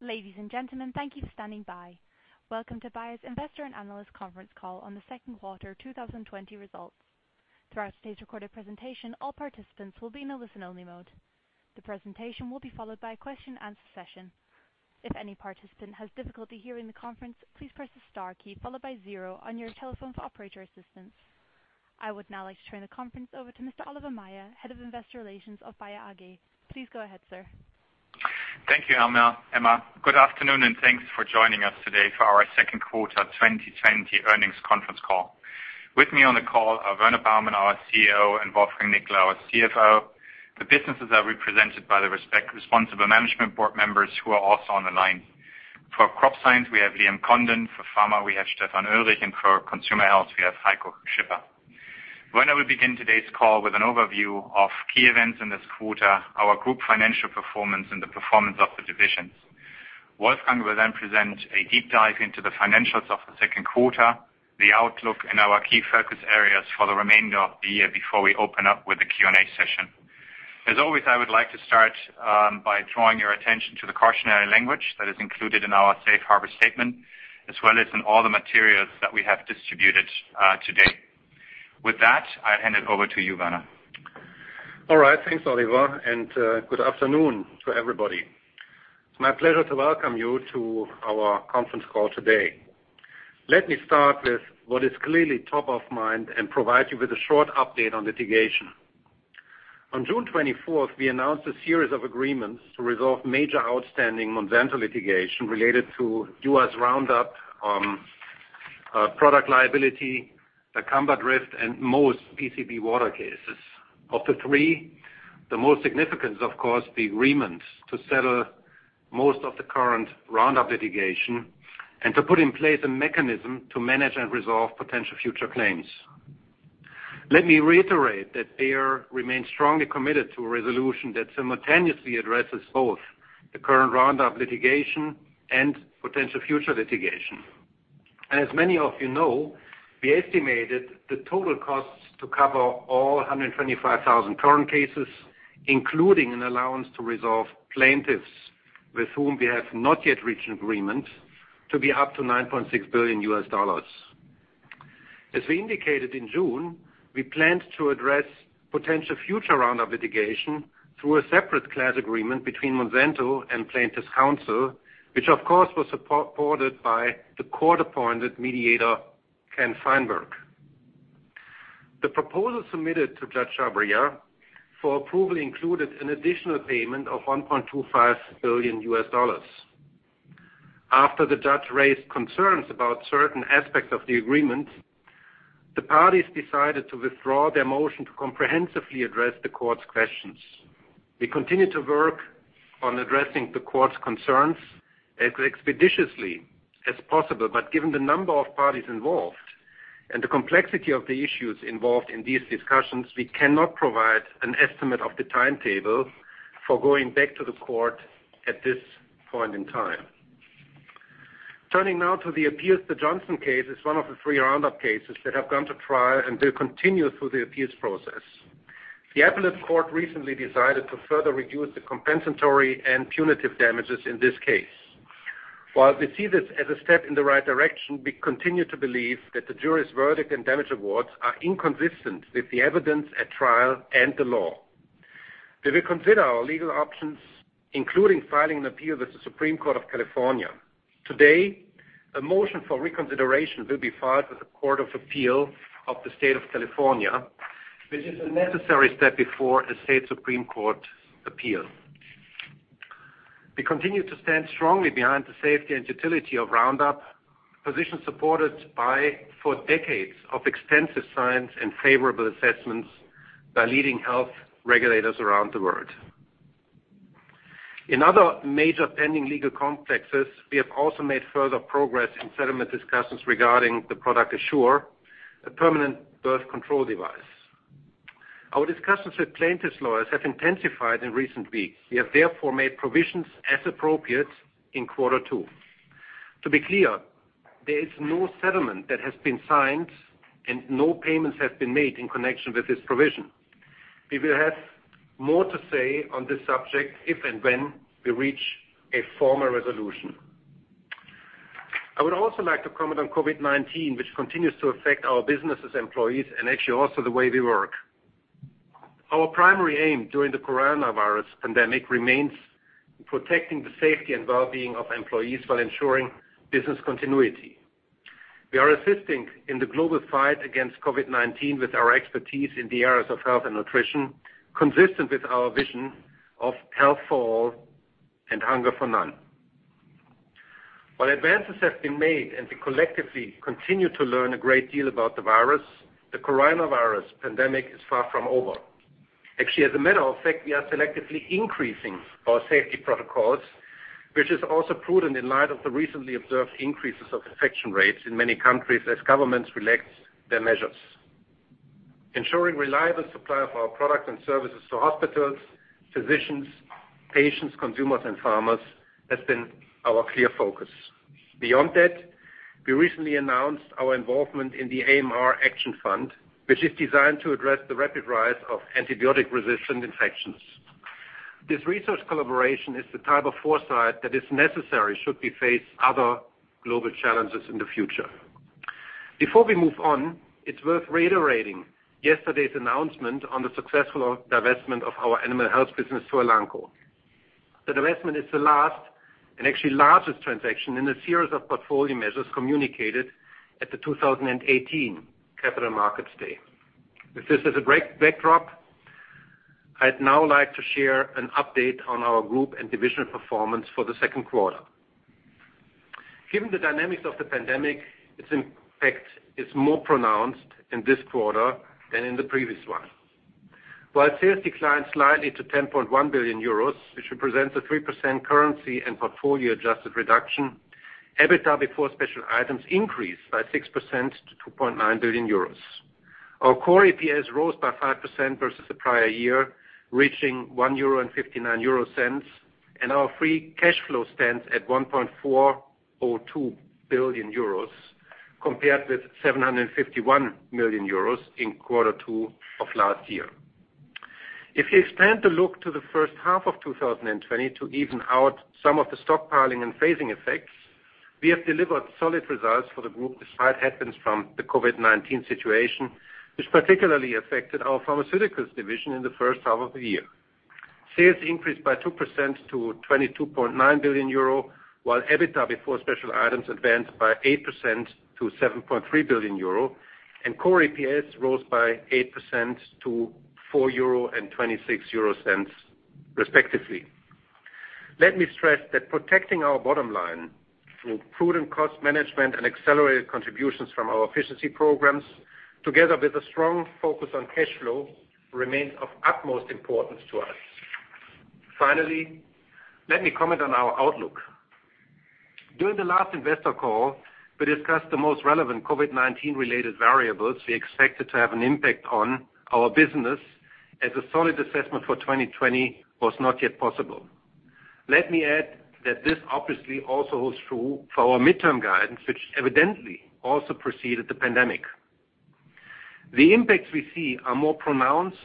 Ladies and gentlemen, thank you for standing by. Welcome to Bayer's Investor and Analyst Conference Call on the second quarter 2020 results. Throughout today's recorded presentation, all participants will be in a listen-only mode. The presentation will be followed by a question and answer session. If any participant has difficulty hearing the conference, please press the star key followed by zero on your telephone for operator assistance. I would now like to turn the conference over to Mr. Oliver Maier, Head of Investor Relations of Bayer AG. Please go ahead, sir. Thank you, Emma. Good afternoon, and thanks for joining us today for our second quarter 2020 earnings conference call. With me on the call are Werner Baumann, our CEO, and Wolfgang Nickl, our CFO. The businesses are represented by the responsible management board members who are also on the line. For Crop Science, we have Liam Condon. For Pharma, we have Stefan Oelrich, and for Consumer Health, we have Heiko Schipper. Werner will begin today's call with an overview of key events in this quarter, our group financial performance, and the performance of the divisions. Wolfgang will then present a deep dive into the financials of the second quarter, the outlook in our key focus areas for the remainder of the year before we open up with the Q&A session. As always, I would like to start by drawing your attention to the cautionary language that is included in our safe harbor statement, as well as in all the materials that we have distributed today. With that, I'll hand it over to you, Werner. All right. Thanks, Oliver, and good afternoon to everybody. It's my pleasure to welcome you to our conference call today. Let me start with what is clearly top of mind and provide you with a short update on litigation. On June 24th, we announced a series of agreements to resolve major outstanding Monsanto litigation related to U.S. Roundup, product liability, dicamba drift, and most PCB water cases. Of the three, the most significant, of course, the agreements to settle most of the current Roundup litigation and to put in place a mechanism to manage and resolve potential future claims. Let me reiterate that Bayer remains strongly committed to a resolution that simultaneously addresses both the current Roundup litigation and potential future litigation. As many of you know, we estimated the total costs to cover all 125,000 current cases, including an allowance to resolve plaintiffs with whom we have not yet reached an agreement, to be up to $9.6 billion US. As we indicated in June, we planned to address potential future Roundup litigation through a separate class agreement between Monsanto and plaintiffs' counsel, which, of course, was supported by the court-appointed mediator, Ken Feinberg. The proposal submitted to Judge Chhabria for approval included an additional payment of $1.25 billion US. After the judge raised concerns about certain aspects of the agreement, the parties decided to withdraw their motion to comprehensively address the court's questions. We continue to work on addressing the court's concerns as expeditiously as possible. Given the number of parties involved and the complexity of the issues involved in these discussions, we cannot provide an estimate of the timetable for going back to the court at this point in time. Turning now to the appeals, the Johnson case is one of the three Roundup cases that have gone to trial and do continue through the appeals process. The appellate court recently decided to further reduce the compensatory and punitive damages in this case. While we see this as a step in the right direction, we continue to believe that the jury's verdict and damage awards are inconsistent with the evidence at trial and the law. We will consider our legal options, including filing an appeal with the Supreme Court of California. Today, a motion for reconsideration will be filed with the Court of Appeal of the State of California, which is a necessary step before a state Supreme Court appeal. We continue to stand strongly behind the safety and utility of Roundup, position supported by, for decades of extensive science and favorable assessments by leading health regulators around the world. In other major pending legal complexes, we have also made further progress in settlement discussions regarding the product Essure, a permanent birth control device. Our discussions with plaintiffs' lawyers have intensified in recent weeks. We have therefore made provisions as appropriate in quarter 2. To be clear, there is no settlement that has been signed, and no payments have been made in connection with this provision. We will have more to say on this subject if and when we reach a formal resolution. I would also like to comment on COVID-19, which continues to affect our business' employees and actually also the way we work. Our primary aim during the coronavirus pandemic remains protecting the safety and well-being of employees while ensuring business continuity. We are assisting in the global fight against COVID-19 with our expertise in the areas of health and nutrition, consistent with our vision of Health for All and Hunger for None. While advances have been made and we collectively continue to learn a great deal about the virus, the coronavirus pandemic is far from over. Actually, as a matter of fact, we are selectively increasing our safety protocols, which is also prudent in light of the recently observed increases of infection rates in many countries as governments relax their measures. Ensuring reliable supply of our products and services to hospitals, physicians, patients, consumers, and farmers has been our clear focus. Beyond that, we recently announced our involvement in the AMR Action Fund, which is designed to address the rapid rise of antibiotic-resistant infections. This research collaboration is the type of foresight that is necessary should we face other global challenges in the future. Before we move on, it's worth reiterating yesterday's announcement on the successful divestment of our animal health business to Elanco. The divestment is the last, and actually largest transaction in the series of portfolio measures communicated at the 2018 capital markets day. With this as a great backdrop, I'd now like to share an update on our group and division performance for the second quarter. Given the dynamics of the pandemic, its impact is more pronounced in this quarter than in the previous one. While sales declined slightly to 10.1 billion euros, which represents a 3% currency and portfolio-adjusted reduction, EBITDA before special items increased by 6% to 2.9 billion euros. Our core EPS rose by 5% versus the prior year, reaching 1.59 euro, and our free cash flow stands at 1.402 billion euros, compared with 751 million euros in quarter two of last year. If you expand the look to the first half of 2020 to even out some of the stockpiling and phasing effects, we have delivered solid results for the group despite headwinds from the COVID-19 situation, which particularly affected our Pharmaceuticals Division in the first half of the year. Sales increased by 2% to 22.9 billion euro, while EBITDA before special items advanced by 8% to 7.3 billion euro, and core EPS rose by 8% to 4.26 euro respectively. Let me stress that protecting our bottom line through prudent cost management and accelerated contributions from our efficiency programs, together with a strong focus on cash flow, remains of utmost importance to us. Let me comment on our outlook. During the last investor call, we discussed the most relevant COVID-19 related variables we expected to have an impact on our business as a solid assessment for 2020 was not yet possible. Let me add that this obviously also holds true for our midterm guidance, which evidently also preceded the pandemic. The impacts we see are more pronounced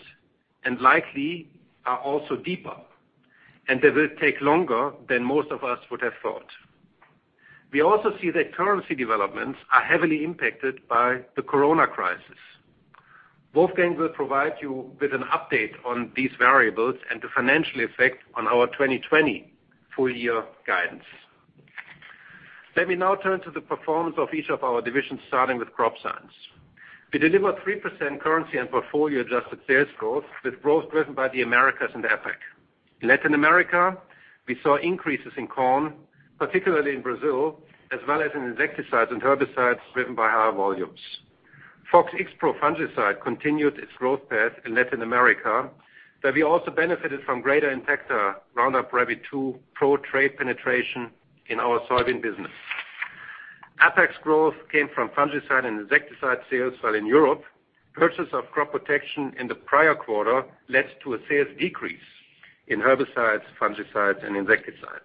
and likely are also deeper, they will take longer than most of us would have thought. We also see that currency developments are heavily impacted by the coronavirus crisis. Wolfgang will provide you with an update on these variables and the financial effect on our 2020 full year guidance. Let me now turn to the performance of each of our divisions, starting with Crop Science. We delivered 3% currency and portfolio adjusted sales growth, with growth driven by the Americas and APAC. Latin America, we saw increases in corn, particularly in Brazil, as well as in insecticides and herbicides, driven by higher volumes. Fox Xpro fungicide continued its growth path in Latin America, where we also benefited from greater Intacta Roundup Ready 2 PRO trait penetration in our soybean business. APAC's growth came from fungicide and insecticide sales while in Europe, purchase of crop protection in the prior quarter led to a sales decrease in herbicides, fungicides, and insecticides.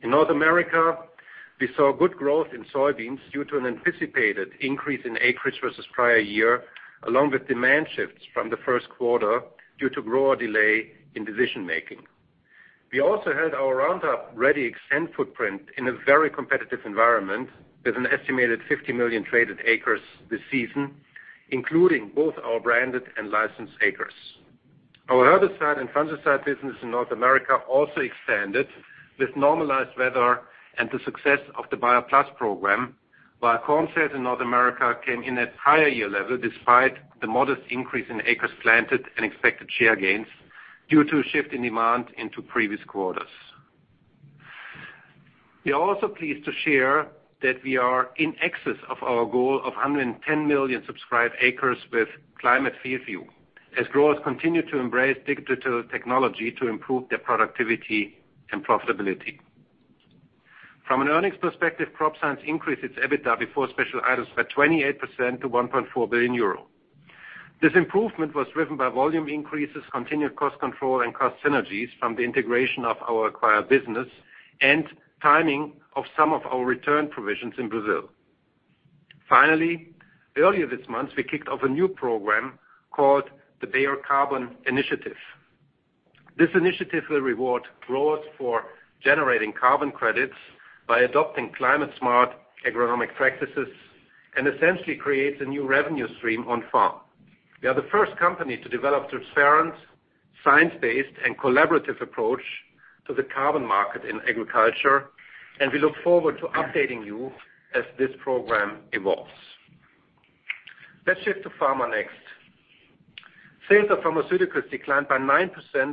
In North America, we saw good growth in soybeans due to an anticipated increase in acreage versus prior year, along with demand shifts from the first quarter due to grower delay in decision making. We also had our Roundup Ready Xtend footprint in a very competitive environment with an estimated 50 million traited acres this season, including both our branded and licensed acres. Our herbicide and fungicide business in North America also expanded with normalized weather and the success of the Bayer PLUS program, while corn sales in North America came in at higher year level despite the modest increase in acres planted and expected share gains due to a shift in demand into previous quarters. We are also pleased to share that we are in excess of our goal of 110 million subscribed acres with Climate FieldView, as growers continue to embrace digital technology to improve their productivity and profitability. From an earnings perspective, Crop Science increased its EBITDA before special items by 28% to 1.4 billion euro. This improvement was driven by volume increases, continued cost control, and cost synergies from the integration of our acquired business and timing of some of our return provisions in Brazil. Finally, earlier this month, we kicked off a new program called the Bayer Carbon Initiative. This initiative will reward growers for generating carbon credits by adopting climate-smart agronomic practices and essentially creates a new revenue stream on farm. We are the first company to develop transparent, science-based, and collaborative approach to the carbon market in agriculture, and we look forward to updating you as this program evolves. Let's shift to pharma next. Sales of pharmaceuticals declined by 9%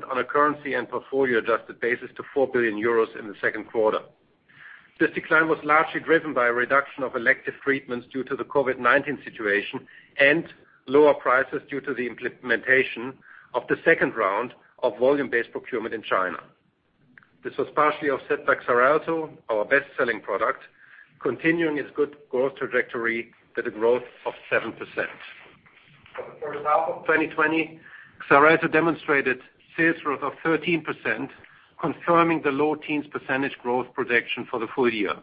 on a currency and portfolio adjusted basis to 4 billion euros in the second quarter. This decline was largely driven by a reduction of elective treatments due to the COVID-19 situation and lower prices due to the implementation of the second round of volume-based procurement in China. This was partially offset by Xarelto, our best-selling product, continuing its good growth trajectory with a growth of 7%. For the half of 2020, Xarelto demonstrated sales growth of 13%, confirming the low teens percentage growth projection for the full year.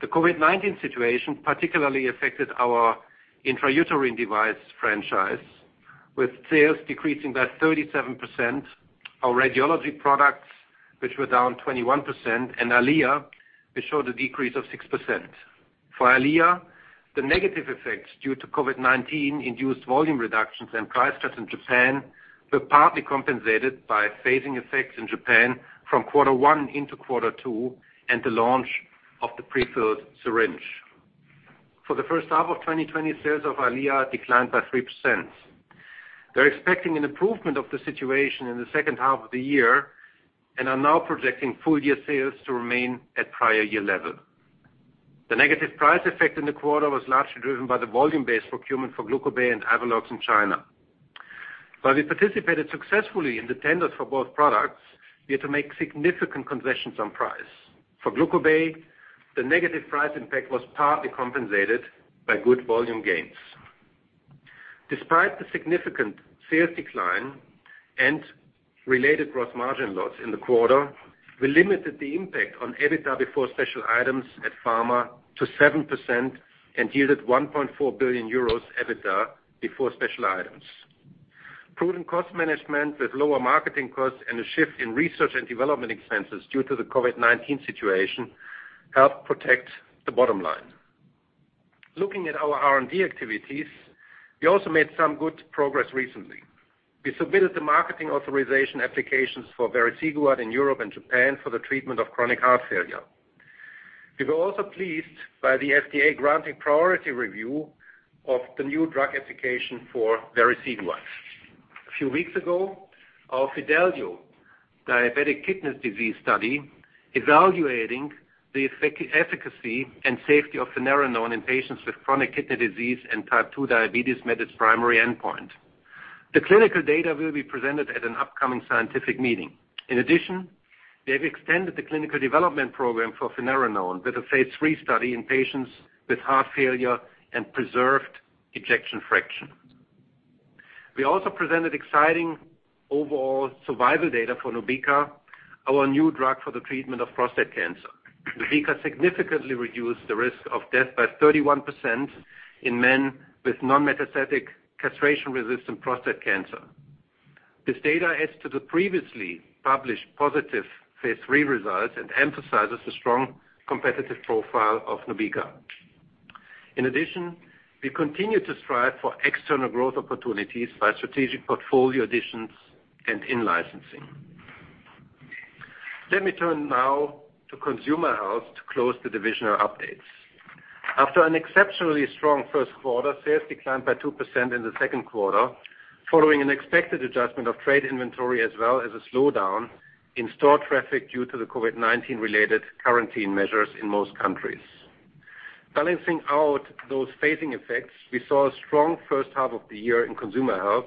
The COVID-19 situation particularly affected our intrauterine device franchise, with sales decreasing by 37%, our radiology products, which were down 21%, and EYLEA, which showed a decrease of 6%. For EYLEA, the negative effects due to COVID-19 induced volume reductions and price cuts in Japan were partly compensated by phasing effects in Japan from quarter one into quarter two and the launch of the prefilled syringe. For the first half of 2020, sales of EYLEA declined by 3%. They're expecting an improvement of the situation in the second half of the year and are now projecting full year sales to remain at prior year level. The negative price effect in the quarter was largely driven by the volume-based procurement for Glucobay and Avelox in China. While we participated successfully in the tenders for both products, we had to make significant concessions on price. For Glucobay, the negative price impact was partly compensated by good volume gains. Despite the significant sales decline and related gross margin loss in the quarter, we limited the impact on EBITDA before special items at pharma to 7% and yielded 1.4 billion euros EBITDA before special items. Prudent cost management with lower marketing costs and a shift in research and development expenses due to the COVID-19 situation helped protect the bottom line. Looking at our R&D activities, we also made some good progress recently. We submitted the marketing authorization applications for vericiguat in Europe and Japan for the treatment of chronic heart failure. We were also pleased by the FDA granting priority review of the new drug application for vericiguat. A few weeks ago, our FIDELIO Diabetic Kidney Disease study evaluating the efficacy and safety of finerenone in patients with chronic kidney disease and type 2 diabetes met its primary endpoint. The clinical data will be presented at an upcoming scientific meeting. In addition, they have extended the clinical development program for finerenone with a phase III study in patients with heart failure and preserved ejection fraction. We also presented exciting overall survival data for Nubeqa, our new drug for the treatment of prostate cancer. Nubeqa significantly reduced the risk of death by 31% in men with non-metastatic castration-resistant prostate cancer. This data adds to the previously published positive phase III results and emphasizes the strong competitive profile of NUBEQA. We continue to strive for external growth opportunities by strategic portfolio additions and in-licensing. Let me turn now to Consumer Health to close the divisional updates. After an exceptionally strong first quarter, sales declined by 2% in the second quarter following an expected adjustment of trade inventory as well as a slowdown in store traffic due to the COVID-19 related quarantine measures in most countries. Balancing out those phasing effects, we saw a strong first half of the year in Consumer Health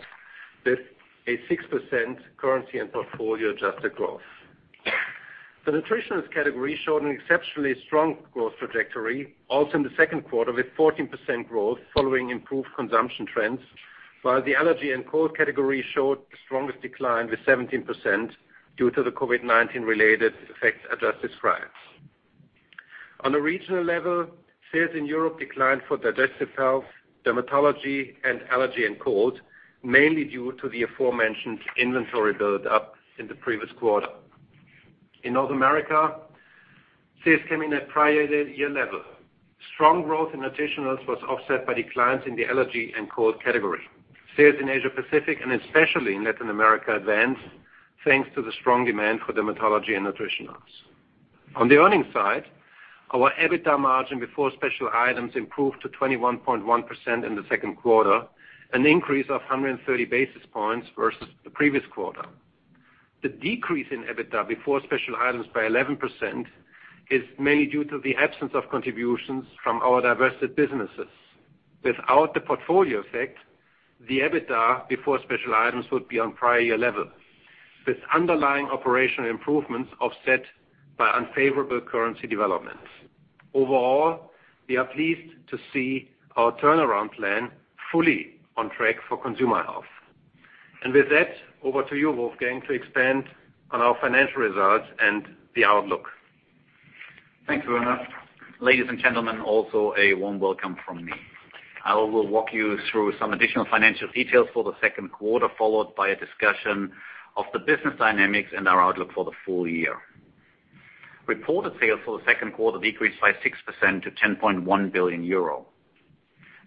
with a 6% currency and portfolio adjusted growth. The Nutritionals category showed an exceptionally strong growth trajectory, also in the second quarter, with 14% growth following improved consumption trends, while the Allergy and Cold category showed the strongest decline with 17% due to the COVID-19 related effects I just described. On a regional level, sales in Europe declined for Digestive Health, Dermatology, and Allergy and Cold, mainly due to the aforementioned inventory build up in the previous quarter. In North America, sales came in at prior year level. Strong growth in Nutritionals was offset by declines in the Allergy and Cold category. Sales in Asia Pacific and especially in Latin America advanced thanks to the strong demand for Dermatology and Nutritionals. On the earnings side, our EBITDA margin before special items improved to 21.1% in the second quarter, an increase of 130 basis points versus the previous quarter. The decrease in EBITDA before special items by 11% is mainly due to the absence of contributions from our divested businesses. Without the portfolio effect, the EBITDA before special items would be on prior year level, with underlying operational improvements offset by unfavorable currency developments. Overall, we are pleased to see our turnaround plan fully on track for Consumer Health. With that, over to you, Wolfgang, to expand on our financial results and the outlook. Thanks, Werner. Ladies and gentlemen, also a warm welcome from me. I will walk you through some additional financial details for the second quarter, followed by a discussion of the business dynamics and our outlook for the full year. Reported sales for the second quarter decreased by 6% to 10.1 billion euro.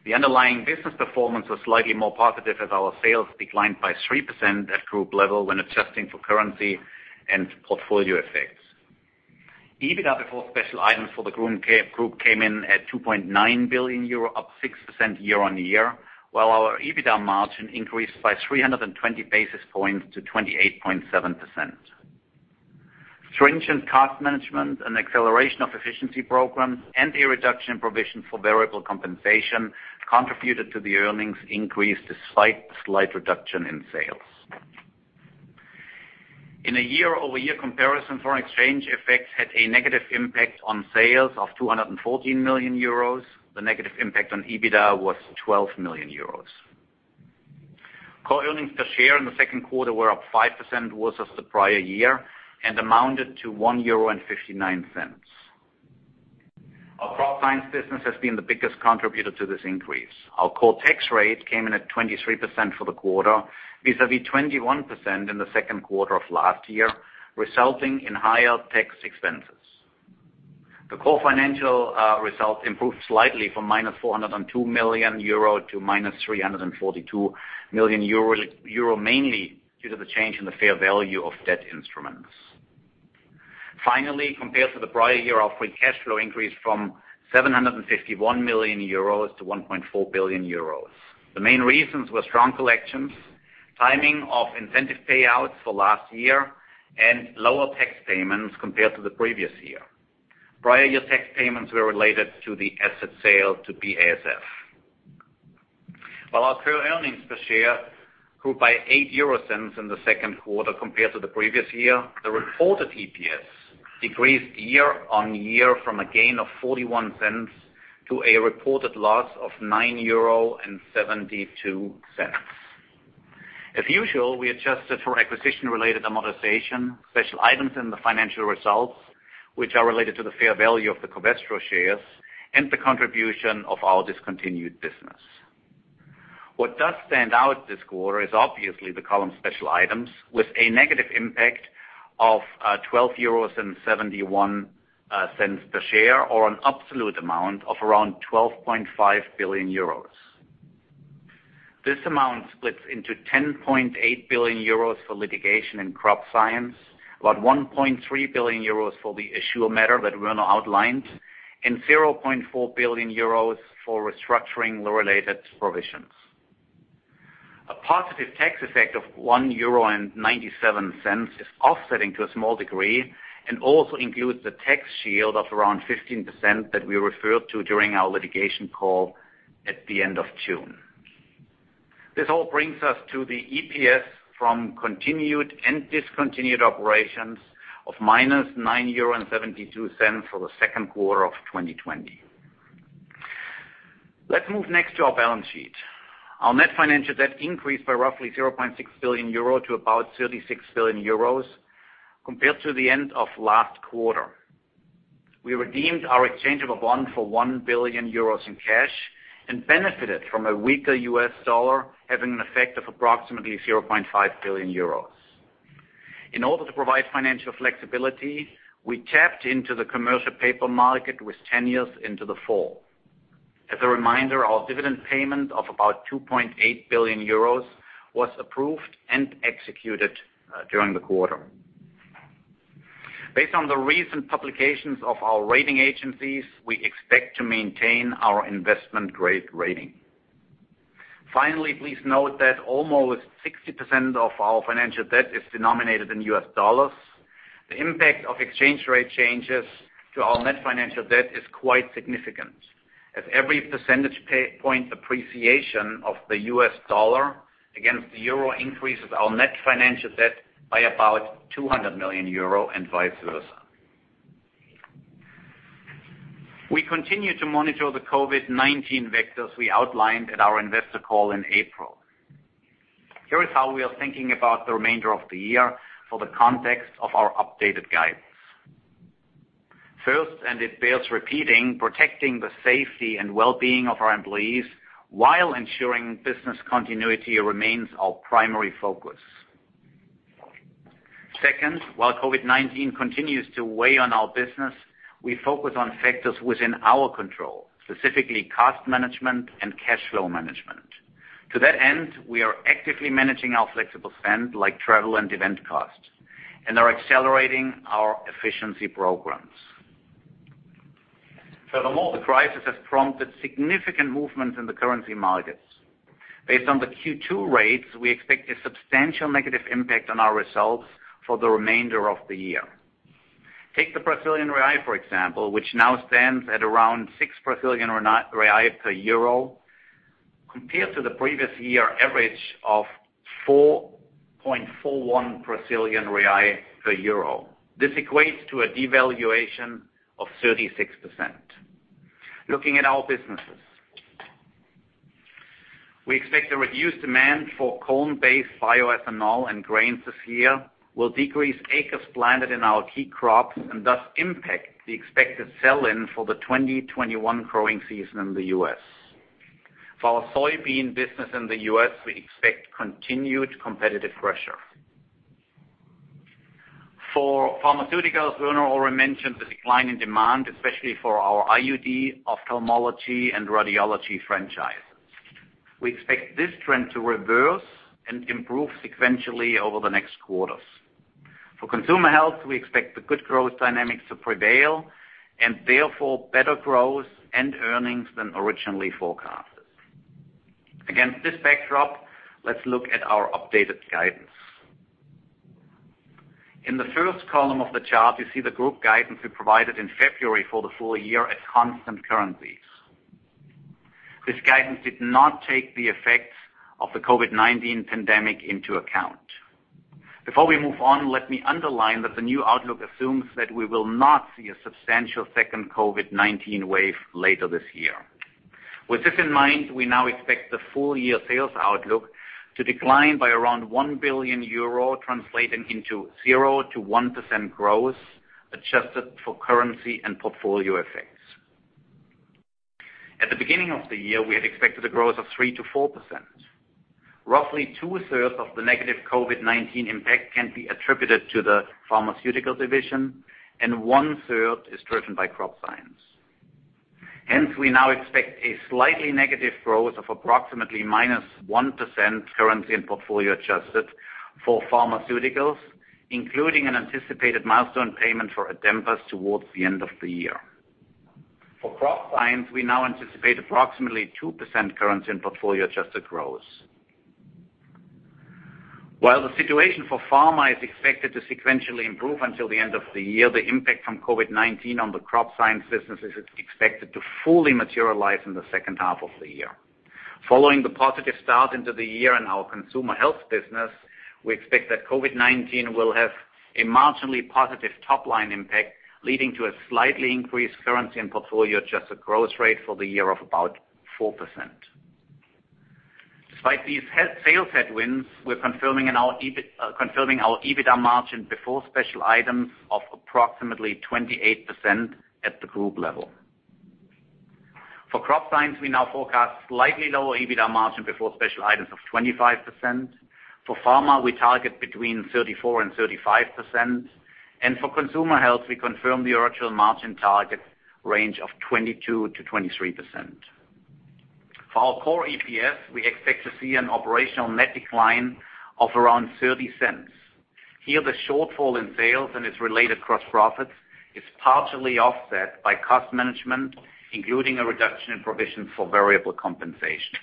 The underlying business performance was slightly more positive as our sales declined by 3% at group level when adjusting for currency and portfolio effects. EBITDA before special items for the group came in at 2.9 billion euro, up 6% year-over-year, while our EBITDA margin increased by 320 basis points to 28.7%. Stringent cost management and acceleration of efficiency programs and the reduction in provision for variable compensation contributed to the earnings increase despite the slight reduction in sales. In a year-over-year comparison, foreign exchange effects had a negative impact on sales of 214 million euros. The negative impact on EBITDA was 12 million euros. Core earnings per share in the second quarter were up 5% versus the prior year and amounted to 1.59 euro. Our Crop Science business has been the biggest contributor to this increase. Our core tax rate came in at 23% for the quarter, vis-a-vis 21% in the second quarter of last year, resulting in higher tax expenses. The core financial result improved slightly from -402 million euro to -342 million euro, mainly due to the change in the fair value of debt instruments. Finally, compared to the prior year, our free cash flow increased from 751 million euros to 1.4 billion euros. The main reasons were strong collections, timing of incentive payouts for last year, and lower tax payments compared to the previous year. Prior year tax payments were related to the asset sale to BASF. While our core earnings per share grew by 0.08 in the second quarter compared to the previous year, the reported EPS decreased year-on-year from a gain of 0.41 to a reported loss of 9.72 euro. As usual, we adjusted for acquisition-related amortization, special items in the financial results, which are related to the fair value of the Covestro shares, and the contribution of our discontinued business. What does stand out this quarter is obviously the column special items with a negative impact of 12.71 euros per share or an absolute amount of around 12.5 billion euros. This amount splits into 10.8 billion euros for litigation and Crop Science, about 1.3 billion euros for the Essure matter that Werner outlined, and 0.4 billion euros for restructuring the related provisions. A positive tax effect of €1.97 is offsetting to a small degree and also includes the tax shield of around 15% that we referred to during our litigation call at the end of June. This all brings us to the EPS from continued and discontinued operations of minus €9.72 for the second quarter of 2020. Let's move next to our balance sheet. Our net financial debt increased by roughly 0.6 billion euro to about 36 billion euros compared to the end of last quarter. We redeemed our exchange of a bond for 1 billion euros in cash and benefited from a weaker US dollar, having an effect of approximately 0.5 billion euros. In order to provide financial flexibility, we tapped into the commercial paper market with tenor into the fall. As a reminder, our dividend payment of about 2.8 billion euros was approved and executed during the quarter. Based on the recent publications of our rating agencies, we expect to maintain our investment-grade rating. Finally, please note that almost 60% of our financial debt is denominated in US dollars. The impact of exchange rate changes to our net financial debt is quite significant, as every percentage point appreciation of the US dollar against the euro increases our net financial debt by about 200 million euro and vice versa. We continue to monitor the COVID-19 vectors we outlined at our investor call in April. Here is how we are thinking about the remainder of the year for the context of our updated guidance. First, and it bears repeating, protecting the safety and well-being of our employees while ensuring business continuity remains our primary focus. Second, while COVID-19 continues to weigh on our business, we focus on factors within our control, specifically cost management and cash flow management. To that end, we are actively managing our flexible spend, like travel and event costs, and are accelerating our efficiency programs. The crisis has prompted significant movement in the currency markets. Based on the Q2 rates, we expect a substantial negative impact on our results for the remainder of the year. Take the Brazilian real, for example, which now stands at around 6 Brazilian real per EUR compared to the previous year average of 4.41 Brazilian real per EUR. This equates to a devaluation of 36%. Looking at our businesses, we expect the reduced demand for corn-based bioethanol and grains this year will decrease acres planted in our key crops and thus impact the expected sell-in for the 2021 growing season in the U.S. For our soybean business in the U.S., we expect continued competitive pressure. For pharmaceuticals, Werner already mentioned the decline in demand, especially for our IUD, ophthalmology, and radiology franchises. We expect this trend to reverse and improve sequentially over the next quarters. For Consumer Health, we expect the good growth dynamics to prevail and therefore better growth and earnings than originally forecasted. Against this backdrop, let's look at our updated guidance. In the first column of the chart, you see the group guidance we provided in February for the full year at constant currencies. This guidance did not take the effect of the COVID-19 pandemic into account. Before we move on, let me underline that the new outlook assumes that we will not see a substantial second COVID-19 wave later this year. With this in mind, we now expect the full year sales outlook to decline by around 1 billion euro, translating into 0%-1% growth, adjusted for currency and portfolio effects. At the beginning of the year, we had expected a growth of 3% to 4%. Roughly two-thirds of the negative COVID-19 impact can be attributed to the Pharmaceuticals Division, and one-third is driven by Crop Science. Hence, we now expect a slightly negative growth of approximately minus 1% currency and portfolio adjusted for Pharmaceuticals, including an anticipated milestone payment for Adempas towards the end of the year. For Crop Science, we now anticipate approximately 2% currency and portfolio adjusted growth. While the situation for Pharma is expected to sequentially improve until the end of the year, the impact from COVID-19 on the Crop Science business is expected to fully materialize in the second half of the year. Following the positive start into the year in our Consumer Health business, we expect that COVID-19 will have a marginally positive top-line impact, leading to a slightly increased currency and portfolio adjusted growth rate for the year of about 4%. Despite these sales headwinds, we're confirming our EBITDA margin before special items of approximately 28% at the group level. For Crop Science, we now forecast slightly lower EBITDA margin before special items of 25%. For Pharma, we target between 34%-35%. For Consumer Health, we confirm the original margin target range of 22%-23%. For our core EPS, we expect to see an operational net decline of around €0.30. Here, the shortfall in sales and its related gross profits is partially offset by cost management, including a reduction in provision for variable compensation.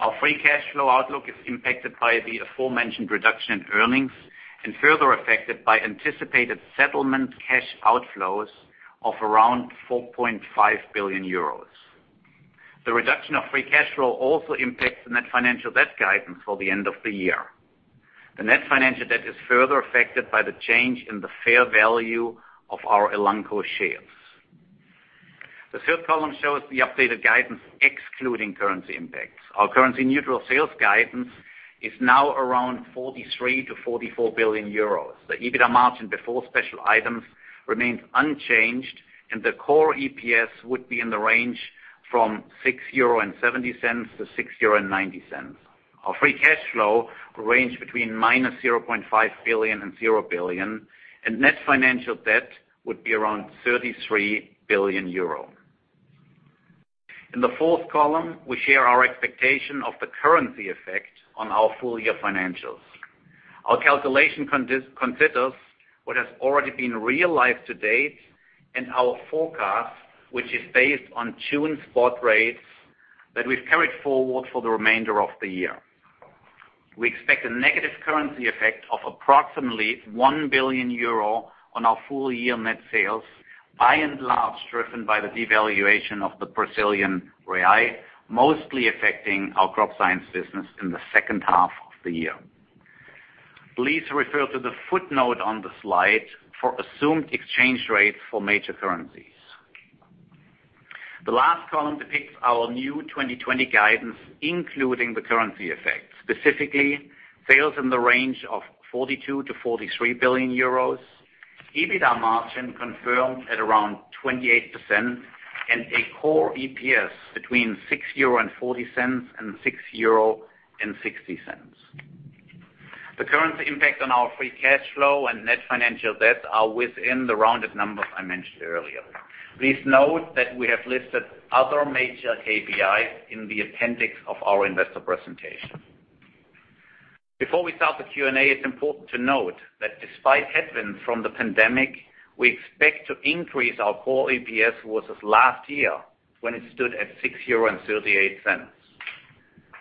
Our free cash flow outlook is impacted by the aforementioned reduction in earnings and further affected by anticipated settlement cash outflows of around €4.5 billion. The reduction of free cash flow also impacts the net financial debt guidance for the end of the year. The net financial debt is further affected by the change in the fair value of our Elanco shares. The third column shows the updated guidance excluding currency impacts. Our currency-neutral sales guidance is now around €43 to €44 billion. The EBITDA margin before special items remains unchanged, and the core EPS would be in the range from €6.70 to €6.90. Our free cash flow will range between minus €0.5 billion and €0 billion, and net financial debt would be around €33 billion. In the fourth column, we share our expectation of the currency effect on our full-year financials. Our calculation considers what has already been realized to date and our forecast, which is based on June spot rates that we've carried forward for the remainder of the year. We expect a negative currency effect of approximately €1 billion on our full-year net sales, by and large driven by the devaluation of the Brazilian real, mostly affecting our Crop Science business in the second half of the year. Please refer to the footnote on the slide for assumed exchange rates for major currencies. The last column depicts our new 2020 guidance, including the currency effect, specifically sales in the range of €42 billion-€43 billion, EBITDA margin confirmed at around 28%, and a core EPS between €6.40 and €6.60. The currency impact on our free cash flow and net financial debt are within the rounded numbers I mentioned earlier. Please note that we have listed other major KPI in the appendix of our investor presentation. Before we start the Q&A, it is important to note that despite headwinds from the pandemic, we expect to increase our core EPS versus last year, when it stood at €6.38.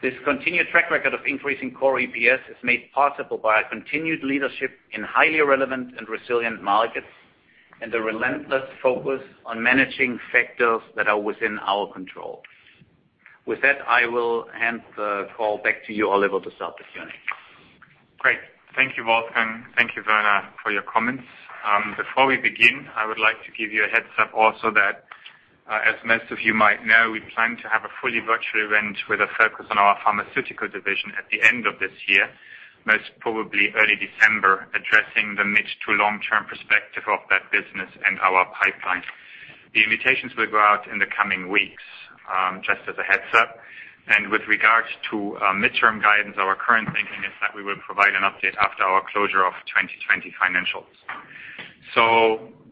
This continued track record of increasing core EPS is made possible by our continued leadership in highly relevant and resilient markets and a relentless focus on managing factors that are within our control. With that, I will hand the call back to you, Oliver, to start the Q&A. Great. Thank you, Wolfgang. Thank you, Werner, for your comments. Before we begin, I would like to give you a heads up also that, as most of you might know, we plan to have a fully virtual event with a focus on our Pharmaceuticals Division at the end of this year, most probably early December, addressing the mid to long-term perspective of that business and our pipeline. The invitations will go out in the coming weeks, just as a heads up. With regards to mid-term guidance, our current thinking is that we will provide an update after our closure of 2020 financials.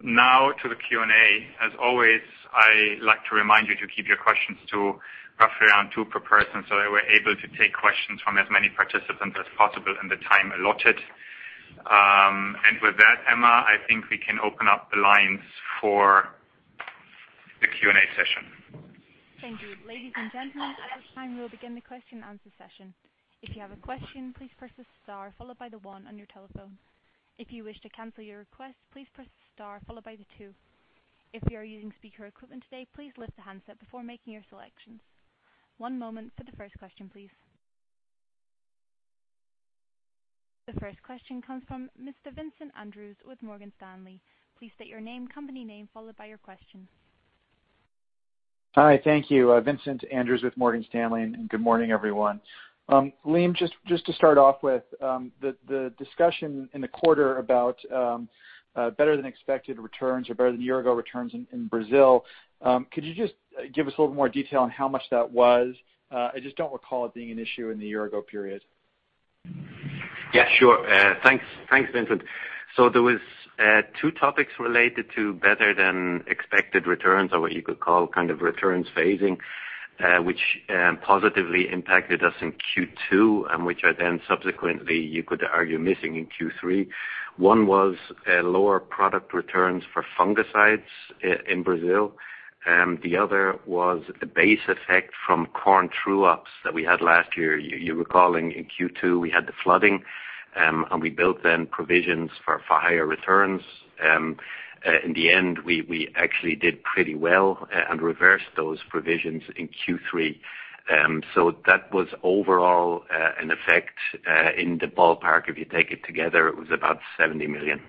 Now to the Q&A. As always, I like to remind you to keep your questions to roughly around 2 per person so that we're able to take questions from as many participants as possible in the time allotted. With that, Emma, I think we can open up the lines for the Q&A session. Thank you. Ladies and gentlemen, at this time, we'll begin the question and answer session. If you have a question, please press star followed by the one on your telephone. If you wish to cancel your request, please press star followed by the two. If you are using speaker equipment today, please lift the handset before making your selections. One moment for the first question, please. The first question comes from Mr. Vincent Andrews with Morgan Stanley. Please state your name, company name, followed by your question. Hi. Thank you. Vincent Andrews with Morgan Stanley. Good morning, everyone. Liam, just to start off with the discussion in the quarter about better than expected returns or better than a year ago returns in Brazil, could you just give us a little more detail on how much that was? I just don't recall it being an issue in the year-ago period. Yeah, sure. Thanks, Vincent. There was two topics related to better than expected returns or what you could call returns phasing, which positively impacted us in Q2 and which are then subsequently, you could argue, missing in Q3. One was lower product returns for fungicides in Brazil, and the other was a base effect from corn true-ups that we had last year. You're recalling in Q2, we had the flooding, and we built then provisions for higher returns. In the end, we actually did pretty well and reversed those provisions in Q3. That was overall an effect in the ballpark. If you take it together, it was about 70 million.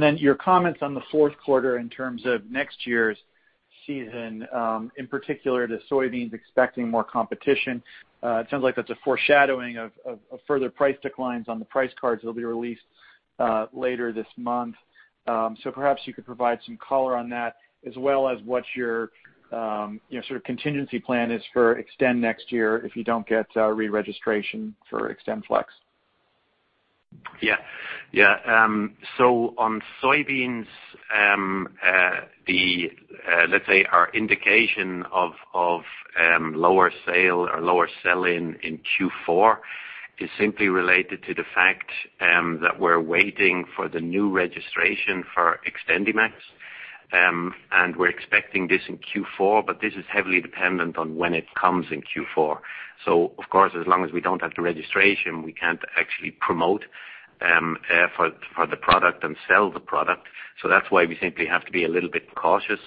Then your comments on the fourth quarter in terms of next year's season, in particular, the soybeans expecting more competition. It sounds like that's a foreshadowing of further price declines on the price cards that will be released later this month. Perhaps you could provide some color on that as well as what your contingency plan is for Xtend next year if you don't get re-registration for XtendFlex. Yeah. On soybeans, let's say our indication of lower sale or lower sell-in in Q4 is simply related to the fact that we're waiting for the new registration for XtendiMax. We're expecting this in Q4, but this is heavily dependent on when it comes in Q4. Of course, as long as we don't have the registration, we can't actually promote for the product and sell the product. That's why we simply have to be a little bit cautious.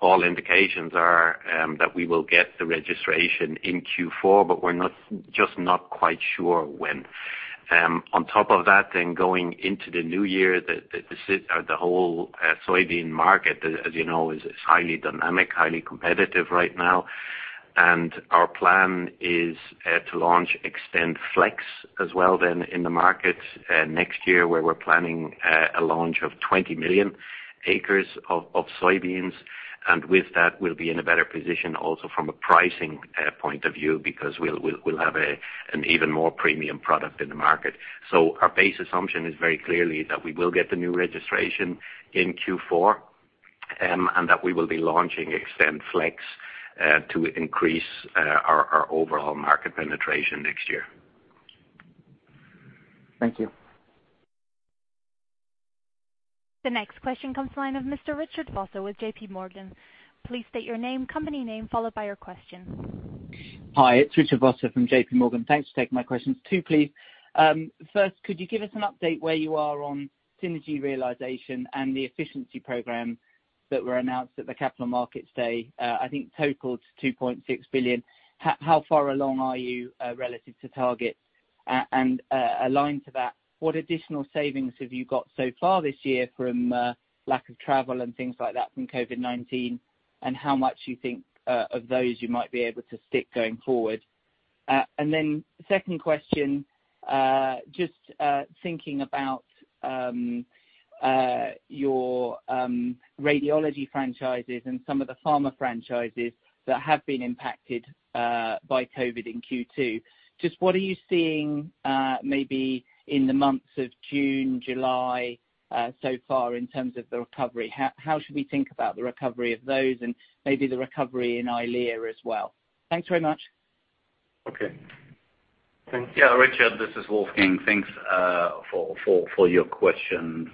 All indications are that we will get the registration in Q4, but we're just not quite sure when. On top of that, going into the new year, the whole soybean market, as you know, is highly dynamic, highly competitive right now. Our plan is to launch XtendFlex as well then in the market next year, where we're planning a launch of 20 million acres of soybeans. With that, we'll be in a better position also from a pricing point of view, because we'll have an even more premium product in the market. Our base assumption is very clearly that we will get the new registration in Q4, and that we will be launching XtendFlex to increase our overall market penetration next year. Thank you. The next question comes to the line of Mr. Richard Vosser with J.P. Morgan. Please state your name, company name, followed by your question. Hi, it's Richard Vosser from J.P. Morgan. Thanks for taking my questions. Two, please. Could you give us an update where you are on synergy realization and the efficiency program that were announced at the Capital Markets Day? I think totaled to 2.6 billion. How far along are you relative to target? Aligned to that, what additional savings have you got so far this year from lack of travel and things like that from COVID-19? How much you think of those you might be able to stick going forward? Second question, just thinking about your radiology franchises and some of the pharma franchises that have been impacted by COVID-19 in Q2. Just what are you seeing maybe in the months of June, July so far in terms of the recovery? How should we think about the recovery of those and maybe the recovery in EYLEA as well? Thanks very much. Okay. Thanks. Yeah. Richard, this is Wolfgang. Thanks for your question.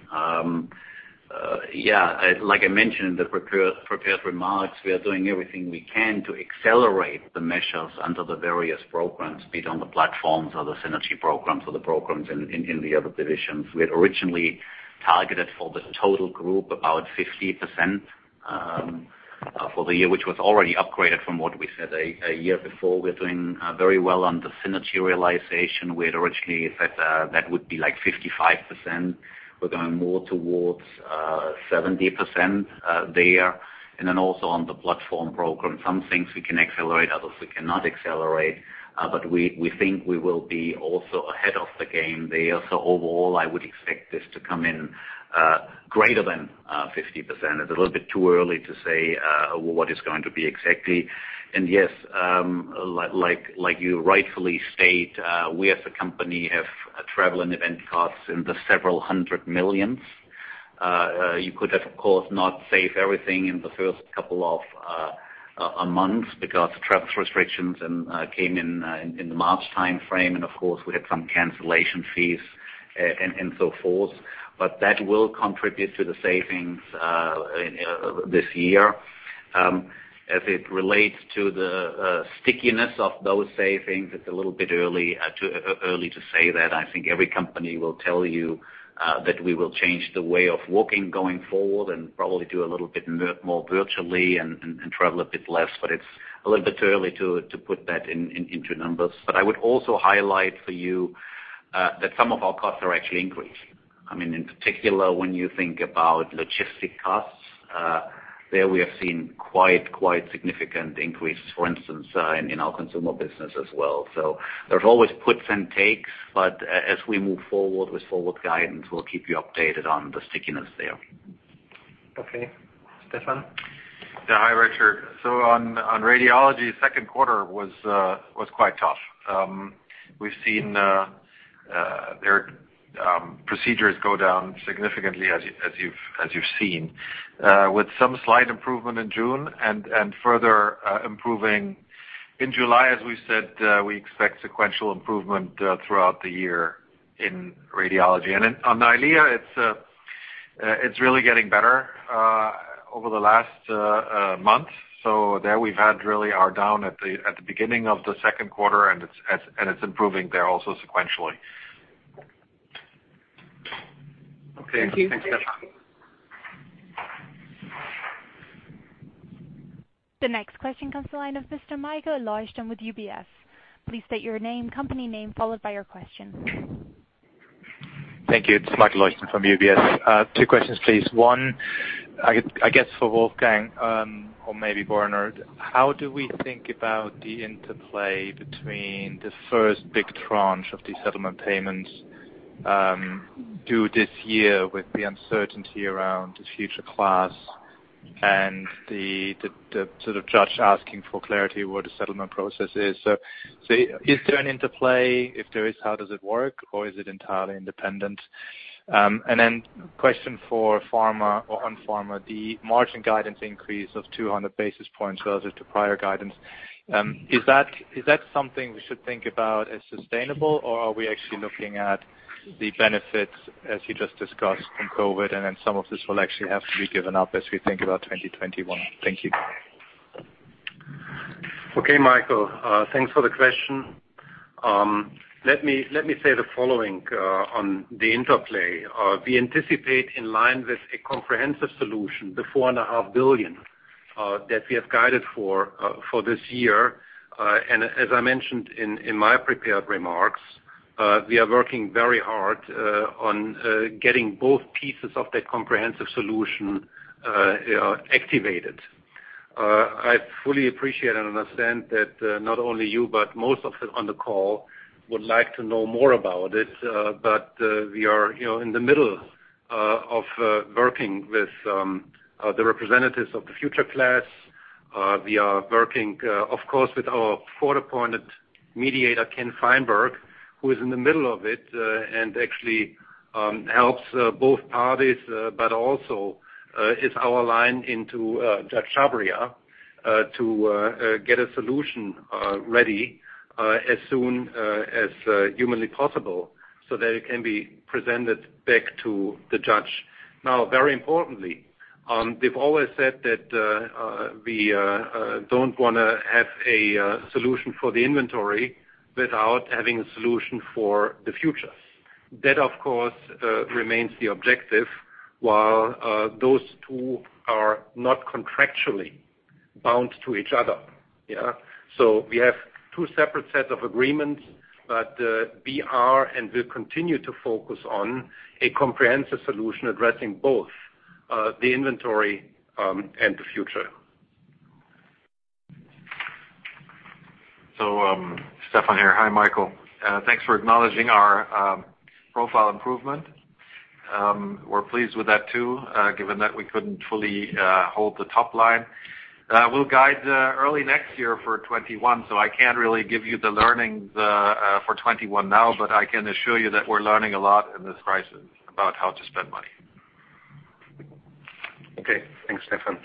Yeah, like I mentioned in the prepared remarks, we are doing everything we can to accelerate the measures under the various programs, be it on the platforms or the synergy programs or the programs in the other divisions. We had originally targeted for the total group about 50% for the year, which was already upgraded from what we said one year before. We're doing very well on the synergy realization. We had originally said that would be like 55%. We're going more towards 70% there. Also on the platform program, some things we can accelerate, others we cannot accelerate. We think we will be also ahead of the game there. Overall, I would expect this to come in greater than 50%. It's a little bit too early to say what it's going to be exactly. Yes, like you rightfully state, we as a company have travel and event costs in the several hundred millions. You could have, of course, not save everything in the first couple of months because the travel restrictions came in the March timeframe. Of course, we had some cancellation fees. So forth. That will contribute to the savings this year. As it relates to the stickiness of those savings, it's a little bit early to say that. I think every company will tell you that we will change the way of working going forward and probably do a little bit more virtually and travel a bit less. It's a little bit early to put that into numbers. I would also highlight for you that some of our costs are actually increasing. In particular, when you think about logistic costs, there we have seen quite significant increases, for instance, in our consumer business as well. There's always puts and takes, but as we move forward with forward guidance, we'll keep you updated on the stickiness there. Okay. Stefan? Yeah. Hi, Richard. On radiology, second quarter was quite tough. We've seen their procedures go down significantly, as you've seen, with some slight improvement in June and further improving in July. As we said, we expect sequential improvement throughout the year in radiology. On EYLEA, it's really getting better over the last month. There we've had really are down at the beginning of the second quarter, and it's improving there also sequentially. Okay. Thanks, Stefan. Thank you. The next question comes to the line of Mr. Michael Leuchten with UBS. Please state your name, company name, followed by your question. Thank you. It's Michael Leuchten from UBS. Two questions, please. One, I guess for Wolfgang or maybe Werner, how do we think about the interplay between the first big tranche of the settlement payments due this year with the uncertainty around the future class and the judge asking for clarity what a settlement process is. Is there an interplay? If there is, how does it work, or is it entirely independent? Question for pharma or on pharma, the margin guidance increase of 200 basis points relative to prior guidance, is that something we should think about as sustainable, or are we actually looking at the benefits, as you just discussed from COVID, and then some of this will actually have to be given up as we think about 2021? Thank you. Okay, Michael. Thanks for the question. Let me say the following on the interplay. We anticipate in line with a comprehensive solution, the 4.5 billion that we have guided for this year. As I mentioned in my prepared remarks, we are working very hard on getting both pieces of that comprehensive solution activated. I fully appreciate and understand that not only you, but most of us on the call would like to know more about it. We are in the middle of working with the representatives of the future class. We are working, of course, with our court-appointed mediator, Ken Feinberg, who is in the middle of it and actually helps both parties, but also is our line into Judge Chhabria to get a solution ready as soon as humanly possible so that it can be presented back to the judge. Very importantly, we've always said that we don't want to have a solution for the inventory without having a solution for the future. That, of course, remains the objective while those two are not contractually bound to each other. Yeah. We have two separate sets of agreements, but we are, and we'll continue to focus on a comprehensive solution addressing both the inventory and the future. Stefan here. Hi, Michael. Thanks for acknowledging our profile improvement. We're pleased with that, too, given that we couldn't fully hold the top line. We'll guide early next year for 2021, so I can't really give you the learnings for 2021 now, but I can assure you that we're learning a lot in this crisis about how to spend money. Okay. Thanks, Stefan.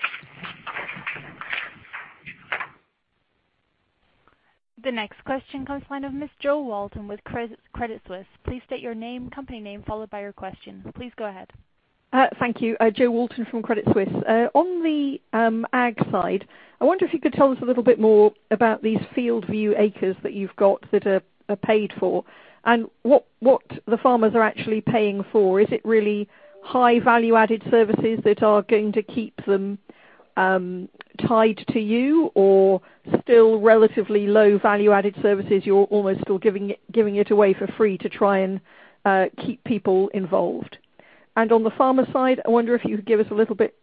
The next question comes to the line of Ms. Jo Walton with Credit Suisse. Please state your name, company name, followed by your question. Please go ahead. Thank you. Jo Walton from Credit Suisse. On the ag side, I wonder if you could tell us a little bit more about these FieldView acres that you've got that are paid for and what the farmers are actually paying for. Is it really high value-added services that are going to keep them tied to you or still relatively low value-added services you're almost still giving it away for free to try and keep people involved? On the pharma side, I wonder if you could give us a little bit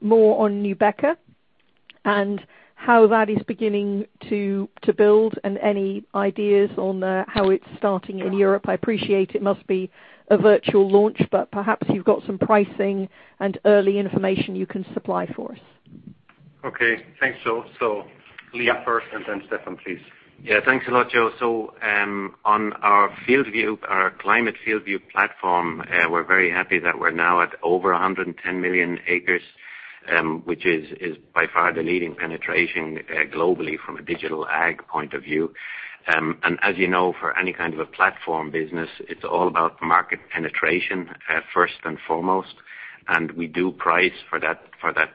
more on NUBEQA and how that is beginning to build and any ideas on how it's starting in Europe. I appreciate it must be a virtual launch, perhaps you've got some pricing and early information you can supply for us. Okay. Thanks, Jo. Liam first, and then Stefan, please. Yeah, thanks a lot, Jo. On our Climate FieldView platform, we're very happy that we're now at over 110 million acresWhich is by far the leading penetration globally from a digital ag point of view. As you know, for any kind of a platform business, it's all about market penetration first and foremost, and we do price for that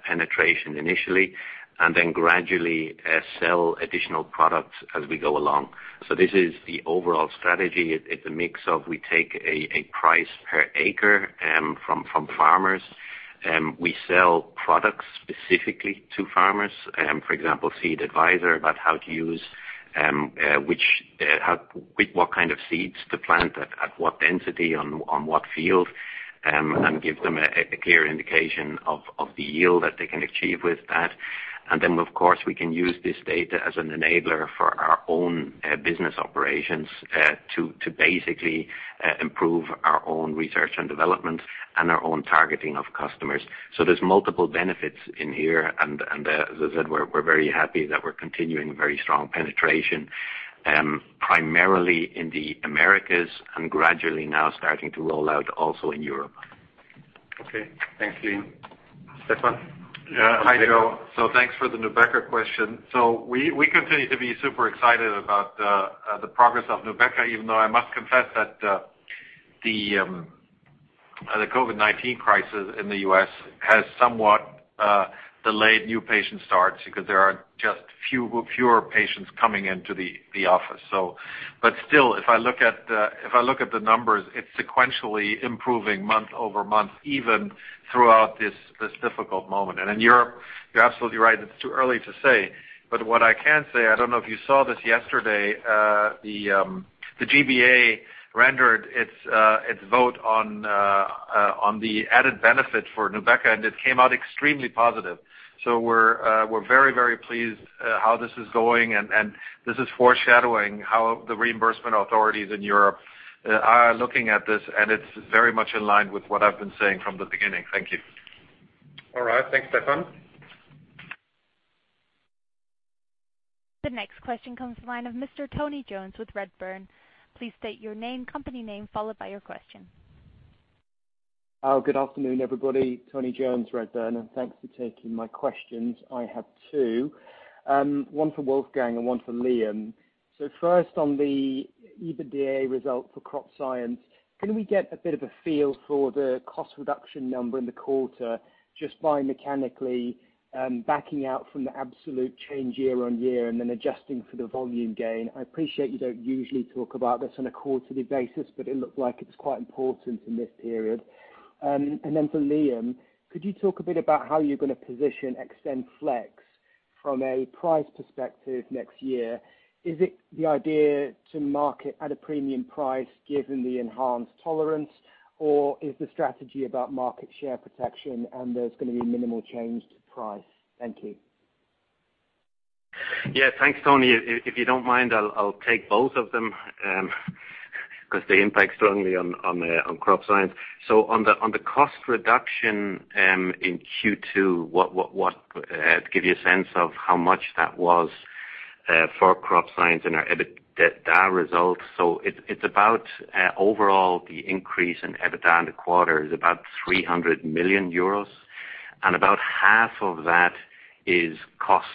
penetration initially, and then gradually sell additional products as we go along. This is the overall strategy. It's a mix of, we take a price per acre from farmers. We sell products specifically to farmers, for example, Seed Advisor, about what kind of seeds to plant at what density on what field, and give them a clear indication of the yield that they can achieve with that. Of course, we can use this data as an enabler for our own business operations to basically improve our own research and development and our own targeting of customers. There's multiple benefits in here, and as I said, we're very happy that we're continuing very strong penetration, primarily in the Americas and gradually now starting to roll out also in Europe. Okay. Thanks, Liam. Stefan? Yeah. Hi, Jo. Thanks for the NUBEQA question. We continue to be super excited about the progress of NUBEQA even though I must confess that the COVID-19 crisis in the U.S. has somewhat delayed new patient starts because there are just fewer patients coming into the office. Still, if I look at the numbers, it's sequentially improving month-over-month, even throughout this difficult moment. In Europe, you're absolutely right. It's too early to say, but what I can say, I don't know if you saw this yesterday, the G-BA rendered its vote on the added benefit for NUBEQA, and it came out extremely positive. We're very pleased how this is going, and this is foreshadowing how the reimbursement authorities in Europe are looking at this, and it's very much in line with what I've been saying from the beginning. Thank you. All right. Thanks, Stefan. The next question comes from the line of Mr. Tony Jones with Redburn. Please state your name, company name, followed by your question. Good afternoon, everybody. Tony Jones, Redburn. Thanks for taking my questions. I have two, one for Wolfgang and one for Liam. First, on the EBITDA result for Crop Science, can we get a bit of a feel for the cost reduction number in the quarter just by mechanically backing out from the absolute change year-on-year and then adjusting for the volume gain? I appreciate you don't usually talk about this on a quarterly basis. It looked like it's quite important in this period. For Liam, could you talk a bit about how you're going to position XtendFlex from a price perspective next year? Is it the idea to market at a premium price given the enhanced tolerance, or is the strategy about market share protection and there's going to be minimal change to price? Thank you. Yeah. Thanks, Tony. If you don't mind, I'll take both of them because they impact strongly on Crop Science. On the cost reduction in Q2, to give you a sense of how much that was for Crop Science and our EBITDA results. Overall, the increase in EBITDA in the quarter is about 300 million euros, and about half of that is cost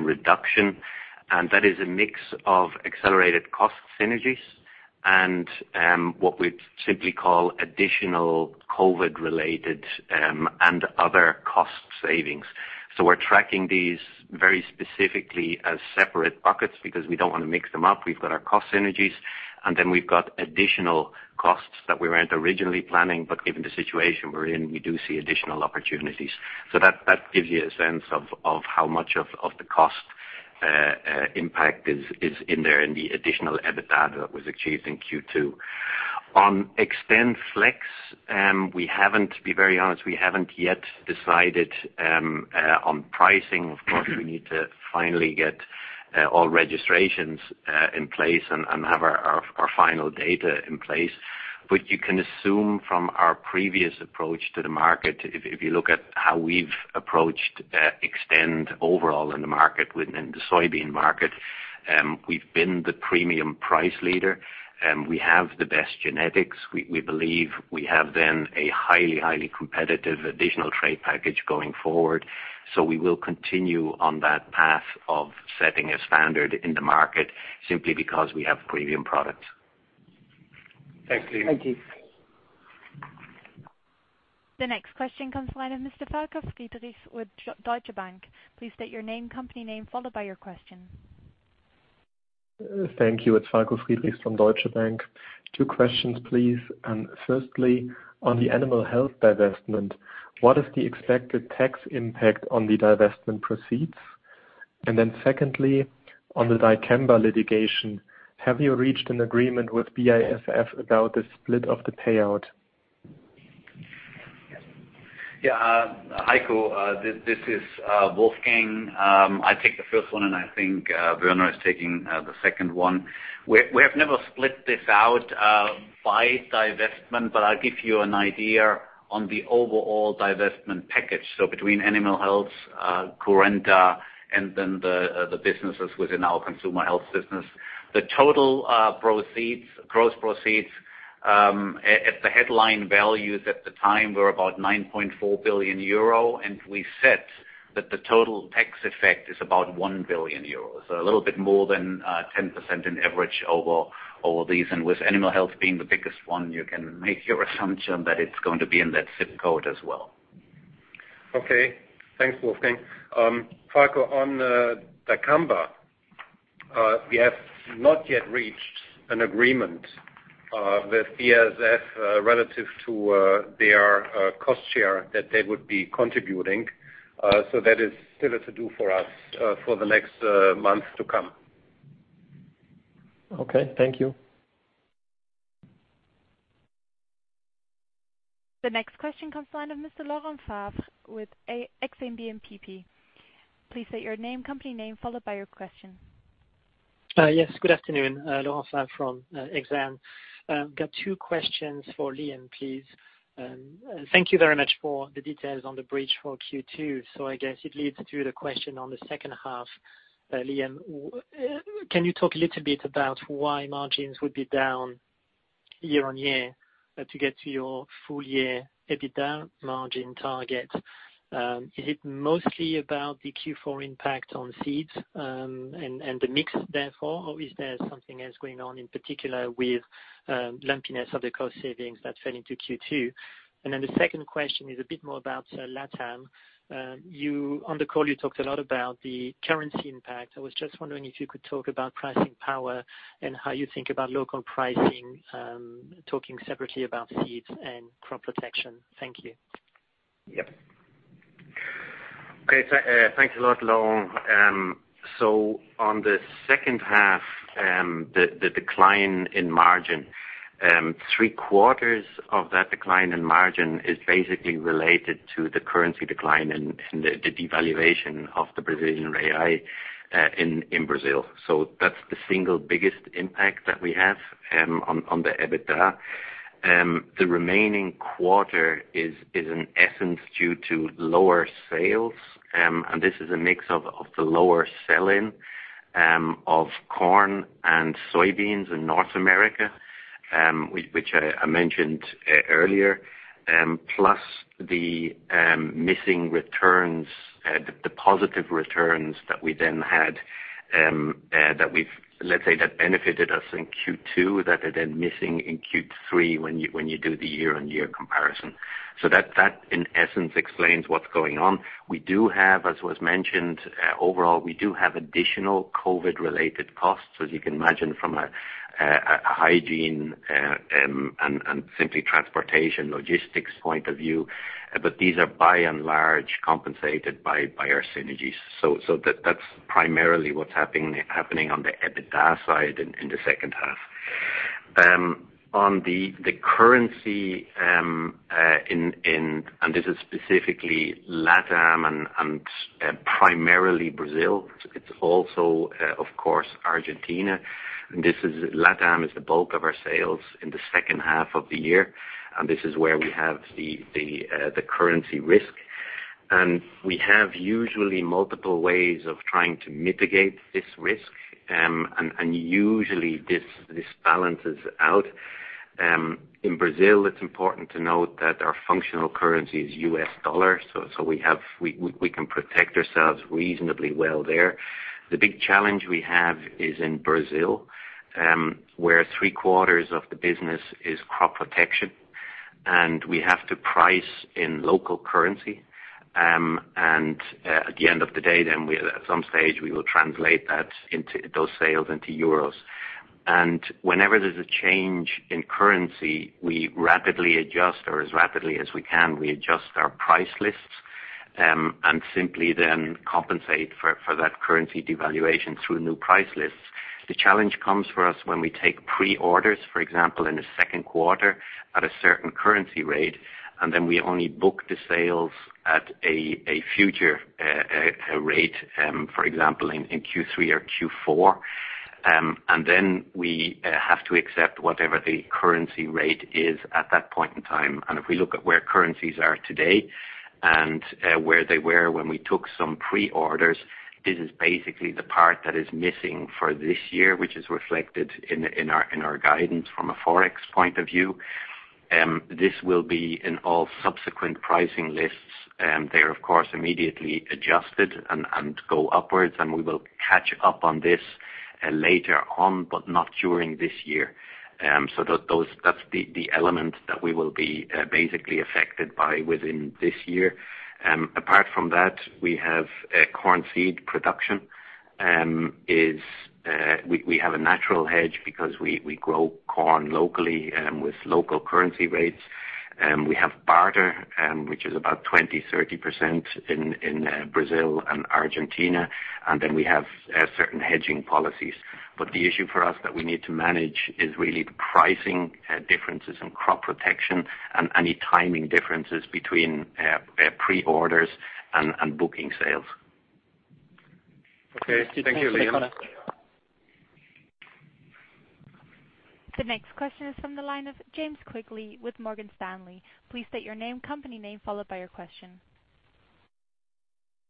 reduction, and that is a mix of accelerated cost synergies and what we'd simply call additional COVID related and other cost savings. We're tracking these very specifically as separate buckets because we don't want to mix them up. We've got our cost synergies, and then we've got additional costs that we weren't originally planning, but given the situation we're in, we do see additional opportunities. That, that gives you a sense of how much of the cost impact is in there in the additional EBITDA that was achieved in Q2. On XtendFlex, to be very honest, we haven't yet decided on pricing. Of course, we need to finally get all registrations in place and have our final data in place. You can assume from our previous approach to the market, if you look at how we've approached Xtend overall in the market within the soybean market, we've been the premium price leader. We have the best genetics. We believe we have then a highly competitive additional trait package going forward. We will continue on that path of setting a standard in the market simply because we have premium products. Thanks, Liam. Thank you. The next question comes from the line of Mr. Falko Friedrichs with Deutsche Bank. Please state your name, company name, followed by your question. Thank you. It's Falko Friedrichs from Deutsche Bank. Two questions, please. Firstly, on the Animal Health divestment, what is the expected tax impact on the divestment proceeds? Secondly, on the dicamba litigation, have you reached an agreement with BASF about the split of the payout? Heiko, this is Wolfgang. I take the first one, and I think Werner is taking the second one. We have never split this out by divestment, but I'll give you an idea on the overall divestment package. Between Animal Health, Currenta, and then the businesses within our Consumer Health business, the total gross proceeds The headline values at the time were about €9.4 billion, and we said that the total tax effect is about €1 billion. A little bit more than 10% in average over all these. With Animal Health being the biggest one, you can make your assumption that it's going to be in that zip code as well. Okay. Thanks, Wolfgang. Falko, on dicamba, we have not yet reached an agreement with BASF relative to their cost share that they would be contributing. That is still a to-do for us for the next month to come. Okay, thank you. The next question comes the line of Mr. Laurent Favre with Exane BNP Paribas. Please state your name, company name, followed by your question. Yes, good afternoon. Laurent Favre from Exane. Got two questions for Liam, please. Thank you very much for the details on the bridge for Q2. I guess it leads to the question on the second half. Liam, can you talk a little bit about why margins would be down year-on-year to get to your full year EBITDA margin target? Is it mostly about the Q4 impact on seeds and the mix, therefore? Is there something else going on, in particular with lumpiness of the cost savings that fell into Q2? The second question is a bit more about LatAm. On the call, you talked a lot about the currency impact. I was just wondering if you could talk about pricing power and how you think about local pricing, talking separately about seeds and crop protection. Thank you. Yep. Okay. Thanks a lot, Laurent. On the second half, the decline in margin, three-quarters of that decline in margin is basically related to the currency decline and the devaluation of the Brazilian real in Brazil. That's the single biggest impact that we have on the EBITDA. The remaining quarter is in essence due to lower sales, and this is a mix of the lower sell-in of corn and soybeans in North America, which I mentioned earlier, plus the missing returns, the positive returns that we've, let's say, that benefited us in Q2 that are then missing in Q3 when you do the year-over-year comparison. That, in essence, explains what's going on. We do have, as was mentioned, overall, we do have additional COVID-related costs, as you can imagine, from a hygiene and simply transportation, logistics point of view. These are by and large compensated by our synergies. That's primarily what's happening on the EBITDA side in the second half. On the currency, and this is specifically LatAm and primarily Brazil. It's also, of course, Argentina. LatAm is the bulk of our sales in the second half of the year, and this is where we have the currency risk. We have usually multiple ways of trying to mitigate this risk, and usually this balances out. In Brazil, it's important to note that our functional currency is U.S. dollar, so we can protect ourselves reasonably well there. The big challenge we have is in Brazil, where three-quarters of the business is crop protection, and we have to price in local currency. At the end of the day, then at some stage, we will translate those sales into EUR. Whenever there's a change in currency, we rapidly adjust, or as rapidly as we can, we adjust our price lists and simply then compensate for that currency devaluation through new price lists. The challenge comes for us when we take pre-orders, for example, in the second quarter at a certain currency rate, and then we only book the sales at a future rate, for example, in Q3 or Q4. We have to accept whatever the currency rate is at that point in time. If we look at where currencies are today and where they were when we took some pre-orders, this is basically the part that is missing for this year, which is reflected in our guidance from a Forex point of view. This will be in all subsequent pricing lists. They are, of course, immediately adjusted and go upwards, and we will catch up on this later on, but not during this year. That's the element that we will be basically affected by within this year. Apart from that, we have corn seed production. We have a natural hedge because we grow corn locally with local currency rates. We have barter, which is about 20%, 30% in Brazil and Argentina. Then we have certain hedging policies. The issue for us that we need to manage is really the pricing differences in crop protection and any timing differences between pre-orders and booking sales. Okay. Thank you, Liam. The next question is from the line of James Quigley with Morgan Stanley. Please state your name, company name, followed by your question.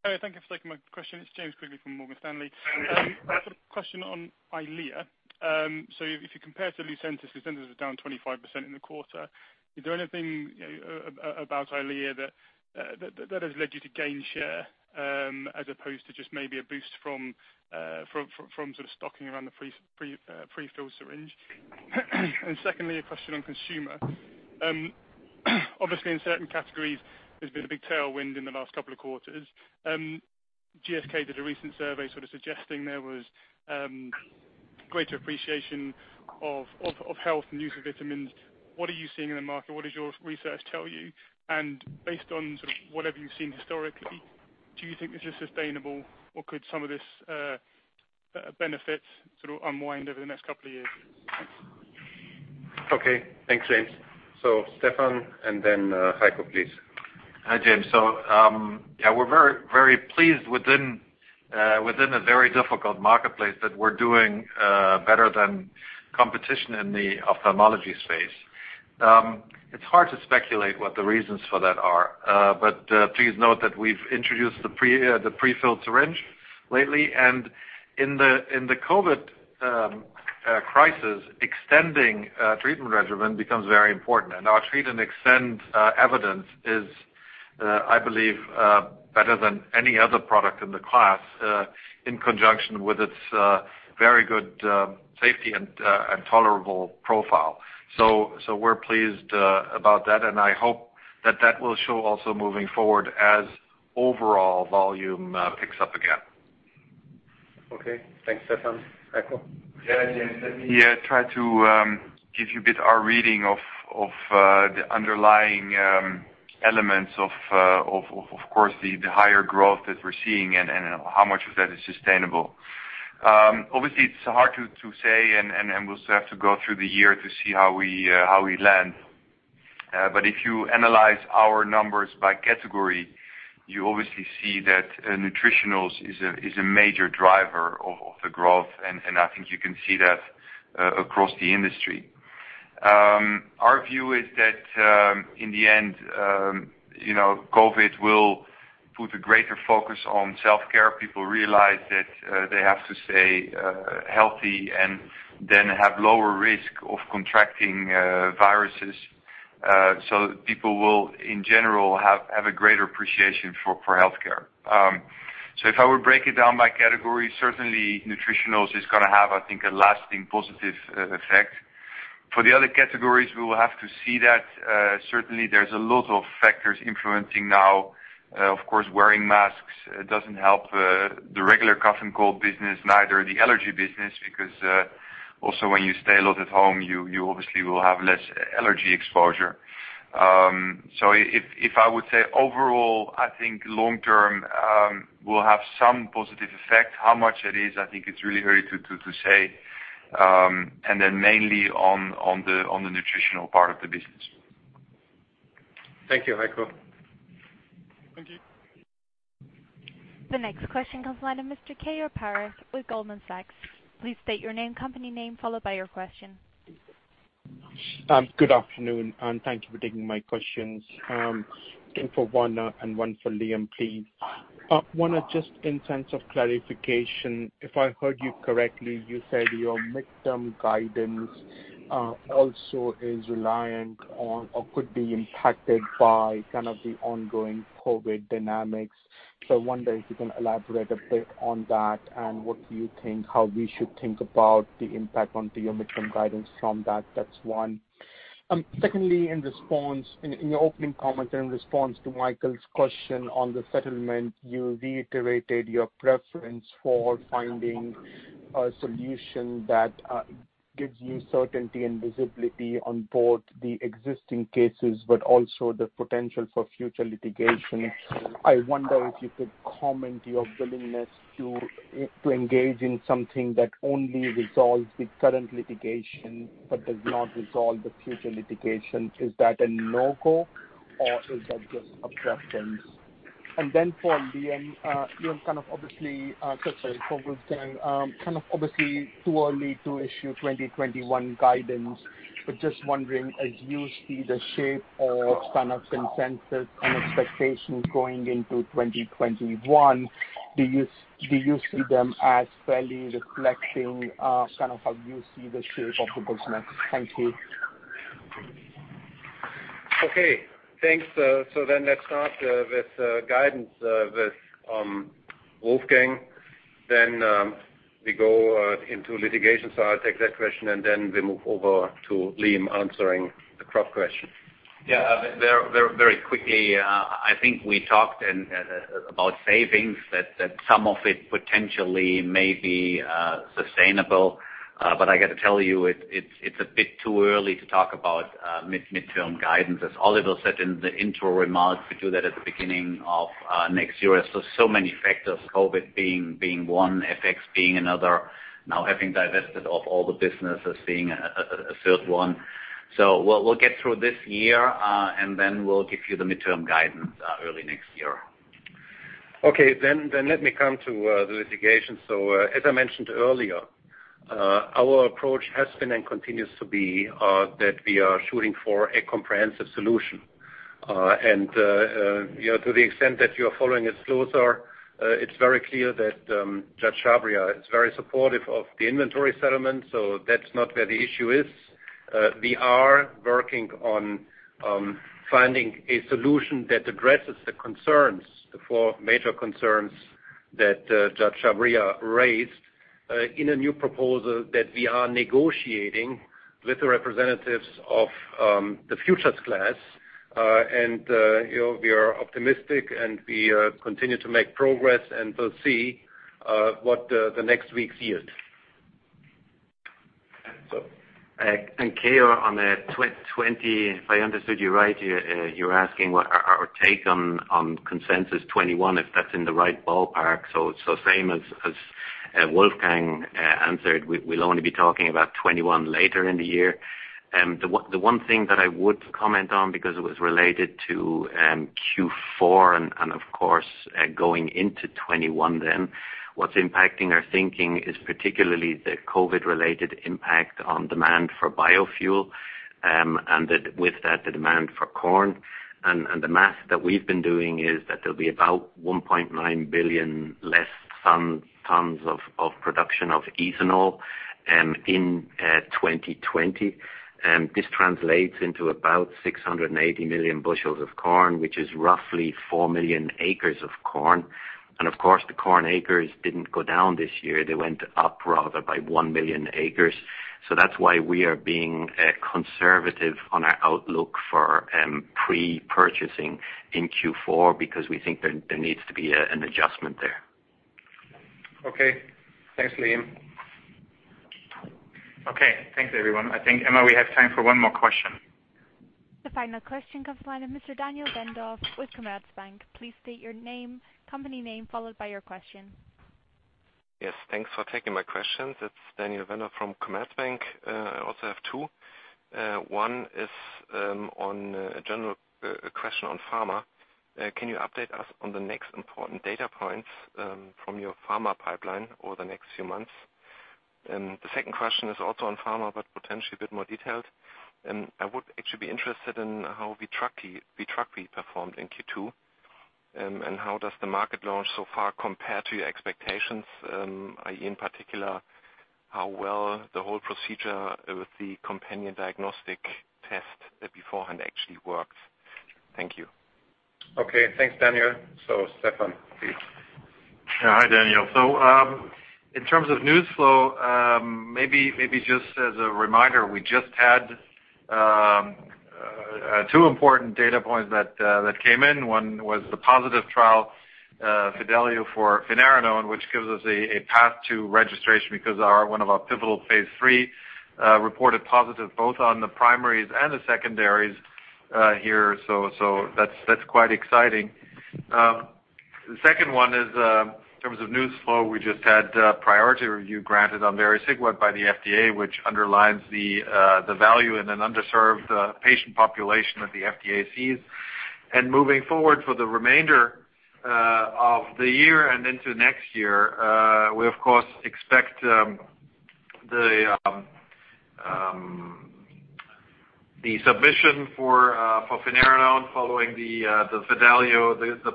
Hi. Thank you for taking my question. It's James Quigley from Morgan Stanley. I've got a question on EYLEA. If you compare to Lucentis was down 25% in the quarter. Is there anything about EYLEA that has led you to gain share, as opposed to just maybe a boost from stocking around the pre-filled syringe? Secondly, a question on consumer. Obviously, in certain categories there's been a big tailwind in the last couple of quarters. GSK did a recent survey sort of suggesting there was greater appreciation of health and use of vitamins. What are you seeing in the market? What does your research tell you? Based on sort of whatever you've seen historically, do you think this is sustainable or could some of this benefit sort of unwind over the next couple of years? Thanks. Okay. Thanks, James. Stefan and then Heiko, please. Hi, James. Yeah, we're very pleased within a very difficult marketplace that we're doing better than competition in the ophthalmology space. It's hard to speculate what the reasons for that are. Please note that we've introduced the pre-filled syringe lately and in the COVID crisis, extending a treatment regimen becomes very important. Our treat and extend evidence is, I believe, better than any other product in the class, in conjunction with its very good safety and tolerable profile. We're pleased about that, and I hope that that will show also moving forward as overall volume picks up again. Okay. Thanks, Stefan. Heiko? Yeah, James. Let me try to give you a bit our reading of the underlying elements of course, the higher growth that we're seeing and how much of that is sustainable. Obviously, it's hard to say and we'll still have to go through the year to see how we land. If you analyze our numbers by category, you obviously see that nutritionals is a major driver of the growth and I think you can see that across the industry. Our view is that, in the end, COVID will put a greater focus on self-care. People realize that they have to stay healthy and then have lower risk of contracting viruses. People will, in general, have a greater appreciation for healthcare. If I were break it down by category, certainly nutritionals is going to have, I think, a lasting positive effect. For the other categories, we will have to see that. Certainly, there's a lot of factors influencing now. Of course, wearing masks doesn't help the regular cough and cold business, neither the allergy business because also when you stay a lot at home, you obviously will have less allergy exposure. If I would say overall, I think long term, will have some positive effect. How much it is, I think it's really early to say, and then mainly on the nutritional part of the business. Thank you, Heiko. Thank you. The next question comes the line of Mr. Keyur Parikh with Goldman Sachs. Please state your name, company name, followed by your question. Good afternoon, and thank you for taking my questions. Two for Werner and one for Liam, please. Werner, just in terms of clarification, if I heard you correctly, you said your midterm guidance also is reliant on or could be impacted by kind of the ongoing COVID-19 dynamics. I wonder if you can elaborate a bit on that and what do you think how we should think about the impact onto your midterm guidance from that? That's one. Secondly, in your opening comments and in response to Michael's question on the settlement, you reiterated your preference for finding a solution that gives you certainty and visibility on both the existing cases, but also the potential for future litigation. I wonder if you could comment your willingness to engage in something that only resolves the current litigation but does not resolve the future litigation. Is that a no-go or is that just reluctance? For Wolfgang, kind of obviously too early to issue 2021 guidance, just wondering, as you see the shape or kind of consensus and expectations going into 2021, do you see them as fairly reflecting kind of how you see the shape of the business? Thank you. Okay. Thanks. Let's start with guidance with Wolfgang, then we go into litigation, so I'll take that question and then we move over to Liam answering the Crop question. Yeah. Very quickly, I think we talked about savings that some of it potentially may be sustainable. I got to tell you, it's a bit too early to talk about midterm guidance. As Oliver said in the intro remarks, we do that at the beginning of next year. Many factors, COVID being one, FX being another, now having divested of all the businesses being a third one. We'll get through this year, and then we'll give you the midterm guidance early next year. Okay. let me come to the litigation. as I mentioned earlier Our approach has been and continues to be that we are shooting for a comprehensive solution. To the extent that you're following it closer, it's very clear that Judge Chhabria is very supportive of the inventory settlement, so that's not where the issue is. We are working on finding a solution that addresses the four major concerns that Judge Chhabria raised in a new proposal that we are negotiating with the representatives of the futures class. We are optimistic, and we continue to make progress, and we'll see what the next weeks yield. Keyur, on the 20, if I understood you right, you're asking what our take on consensus 2021, if that's in the right ballpark. Same as Wolfgang answered, we'll only be talking about 2021 later in the year. The one thing that I would comment on, because it was related to Q4 and of course, going into 2021 then, what's impacting our thinking is particularly the COVID-19-related impact on demand for biofuel, and with that, the demand for corn. The math that we've been doing is that there'll be about 1.9 billion less tons of production of ethanol in 2020. This translates into about 680 million bushels of corn, which is roughly 4 million acres of corn. Of course, the corn acres didn't go down this year. They went up rather by 1 million acres. That's why we are being conservative on our outlook for pre-purchasing in Q4, because we think there needs to be an adjustment there. Okay. Thanks, Liam. Okay, thanks everyone. I think, Emma, we have time for one more question. The final question comes from Mr. Daniel Wendorff with Commerzbank. Please state your name, company name, followed by your question. Yes, thanks for taking my questions. It's Daniel Wendorff from Commerzbank. I also have two. One is on a general question on pharma. Can you update us on the next important data points from your pharma pipeline over the next few months? The second question is also on pharma, but potentially a bit more detailed. I would actually be interested in how VITRAKVI performed in Q2, and how does the market launch so far compare to your expectations, i.e., in particular, how well the whole procedure with the companion diagnostic test beforehand actually works. Thank you. Okay. Thanks, Daniel. Stefan, please. Hi, Daniel. In terms of news flow, maybe just as a reminder, we just had two important data points that came in. One was the positive trial, FIDELIO-DKD for finerenone, which gives us a path to registration because one of our pivotal phase III reported positive both on the primaries and the secondaries here. That's quite exciting. The second one is, in terms of news flow, we just had priority review granted on Vericiguat by the FDA, which underlines the value in an underserved patient population that the FDA sees. Moving forward for the remainder of the year and into next year, we of course expect the submission for finerenone following the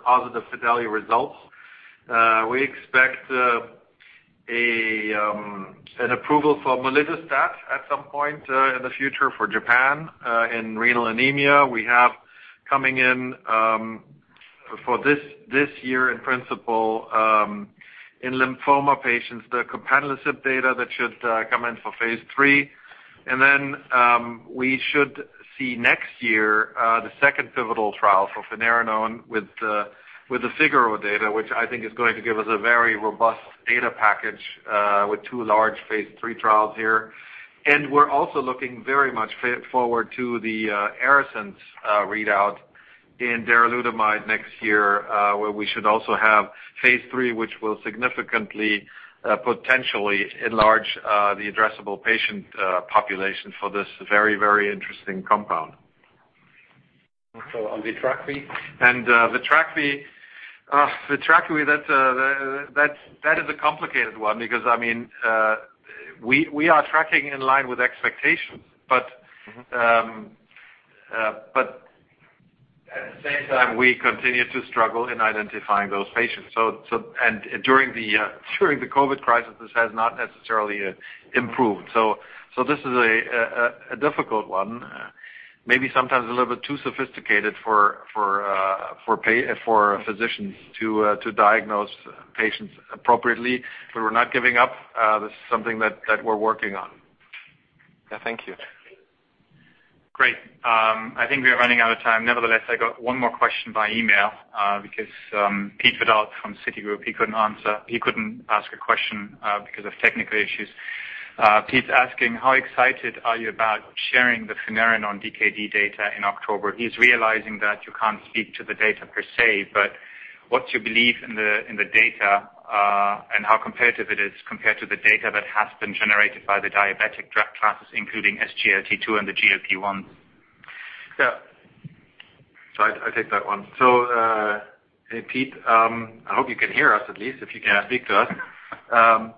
positive FIDELIO-DKD results. We expect an approval for molidustat at some point in the future for Japan in renal anemia. We have coming in for this year in principle, in lymphoma patients, the copanlisib data that should come in for phase III. We should see next year, the second pivotal trial for finerenone with the FIGARO data, which I think is going to give us a very robust data package with two large phase III trials here. We're also looking very much forward to the ARASENS readout in darolutamide next year, where we should also have phase III, which will significantly, potentially enlarge the addressable patient population for this very, very interesting compound. On VITRAKVI? VITRAKVI, that is a complicated one because we are tracking in line with expectations. At the same time, we continue to struggle in identifying those patients. During the COVID crisis, this has not necessarily improved. This is a difficult one. Maybe sometimes a little bit too sophisticated for physicians to diagnose patients appropriately. We're not giving up. This is something that we're working on. Yeah. Thank you. Great. I think we are running out of time. I got one more question by email, because Peter Verdult from Citigroup, he couldn't ask a question because of technical issues. Pete's asking, how excited are you about sharing the finerenone DKD data in October? He's realizing that you can't speak to the data per se, but what's your belief in the data, and how competitive it is compared to the data that has been generated by the diabetic drug classes, including SGLT2 and the GLP-1s? I take that one. Hey, Pete, I hope you can hear us at least if you can't speak to us.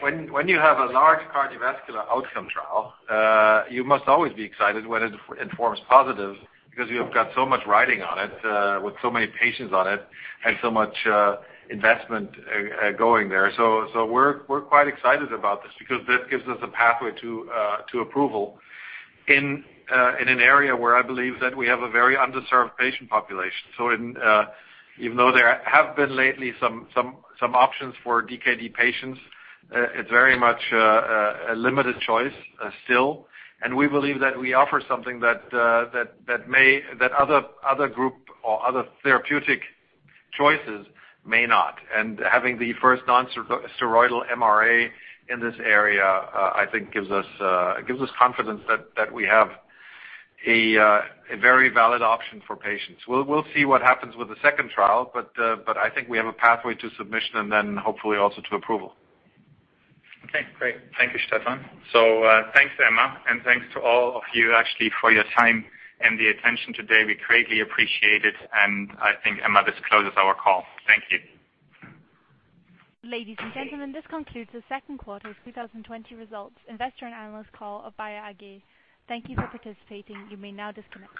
When you have a large cardiovascular outcome trial, you must always be excited when it informs positive because you have got so much riding on it, with so many patients on it and so much investment going there. We're quite excited about this because this gives us a pathway to approval in an area where I believe that we have a very underserved patient population. Even though there have been lately some options for DKD patients, it's very much a limited choice still. We believe that we offer something that other group or other therapeutic choices may not. Having the first non-steroidal MRA in this area, I think gives us confidence that we have a very valid option for patients. We'll see what happens with the second trial, but I think we have a pathway to submission and then hopefully also to approval. Okay, great. Thank you, Stefan. Thanks, Emma, and thanks to all of you actually for your time and the attention today. We greatly appreciate it, and I think, Emma, this closes our call. Thank you. Ladies and gentlemen, this concludes the second quarter of 2020 results investor and analyst call of Bayer AG. Thank you for participating. You may now disconnect.